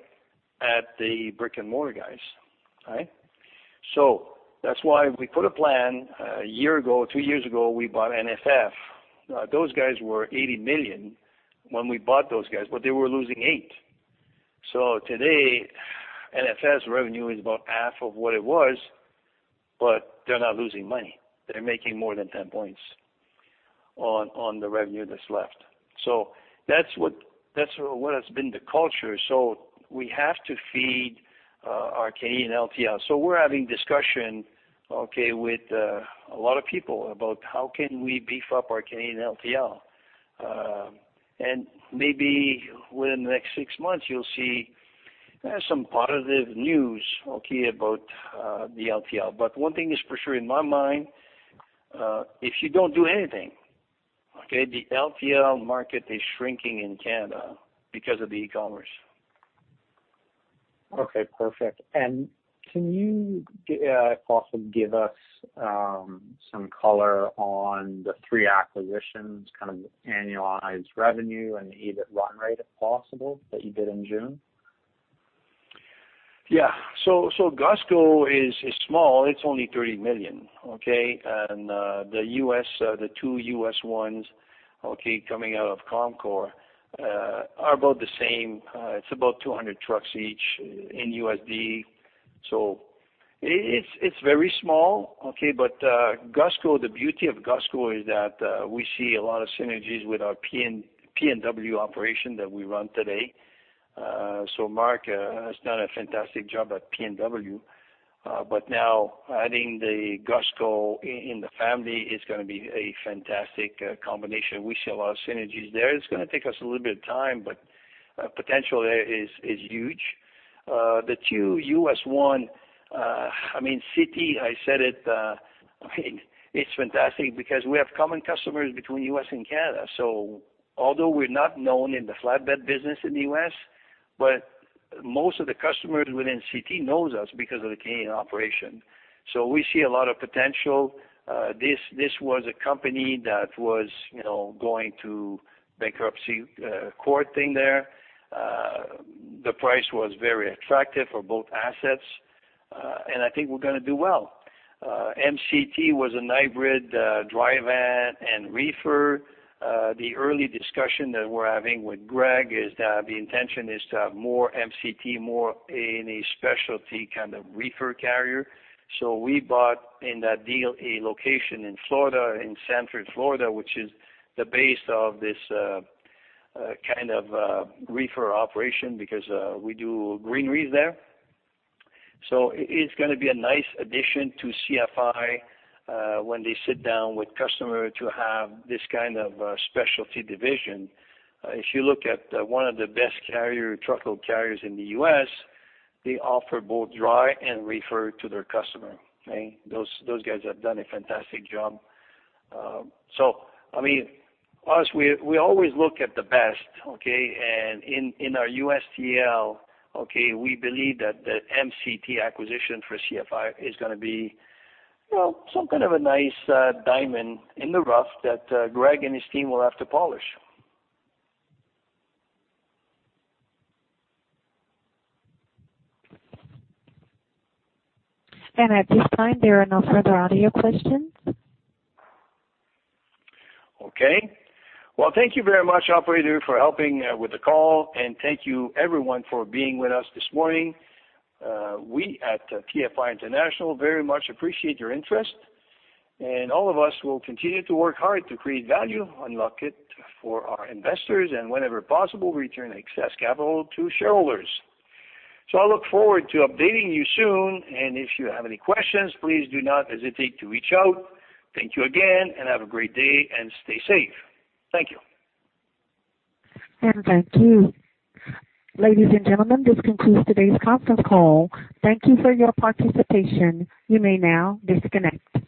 at the brick-and-mortar guys, all right. That's why we put a plan one year ago, two years ago, we bought NFF. Those guys were 80 million when we bought those guys, but they were losing 8. Today, NFF's revenue is about half of what it was, but they're not losing money. They're making more than 10 points on the revenue that's left. That's what has been the culture. We have to feed our Canadian LTL. We're having discussion, okay, with a lot of people about how can we beef up our Canadian LTL. Maybe within the next six months you'll see some positive news about the LTL. One thing is for sure in my mind, if you don't do anything, the LTL market is shrinking in Canada because of the e-commerce. Okay, perfect. Can you also give us some color on the three acquisitions, kind of annualized revenue and EBIT run rate, if possible, that you did in June? Gusgo is small. It's only 30 million. Okay? The two U.S. ones, coming out of Comcar, are about the same. It's about 200 trucks each in USD. It's very small. The beauty of Gusgo is that we see a lot of synergies with our PNW operation that we run today. Mark has done a fantastic job at PNW. Now adding the Gusgo in the family is going to be a fantastic combination. We see a lot of synergies there. It's going to take us a little bit of time, but potential there is huge. The two U.S. one, CT, I said it's fantastic because we have common customers between U.S. and Canada. Although we're not known in the flatbed business in the U.S., but most of the customers within CT know us because of the Canadian operation. We see a lot of potential. This was a company that was going to bankruptcy court thing there. The price was very attractive for both assets. I think we're going to do well. MCT was a hybrid dry van and reefer. The early discussion that we're having with Greg is that the intention is to have more MCT, more in a specialty kind of reefer carrier. We bought in that deal a location in Central Florida, which is the base of this kind of reefer operation because we do greenery there. It's going to be a nice addition to CFI when they sit down with customer to have this kind of specialty division. If you look at one of the best truckload carriers in the U.S., they offer both dry and reefer to their customer. Those guys have done a fantastic job. We always look at the best, okay? In our USTL, we believe that the MCT acquisition for CFI is going to be some kind of a nice diamond in the rough that Greg and his team will have to polish. At this time, there are no further audio questions. Okay. Well, thank you very much, operator, for helping with the call. Thank you everyone for being with us this morning. We at TFI International very much appreciate your interest, and all of us will continue to work hard to create value, unlock it for our investors, and whenever possible, return excess capital to shareholders. I look forward to updating you soon. If you have any questions, please do not hesitate to reach out. Thank you again. Have a great day. Stay safe. Thank you. Thank you. Ladies and gentlemen, this concludes today's conference call. Thank you for your participation. You may now disconnect.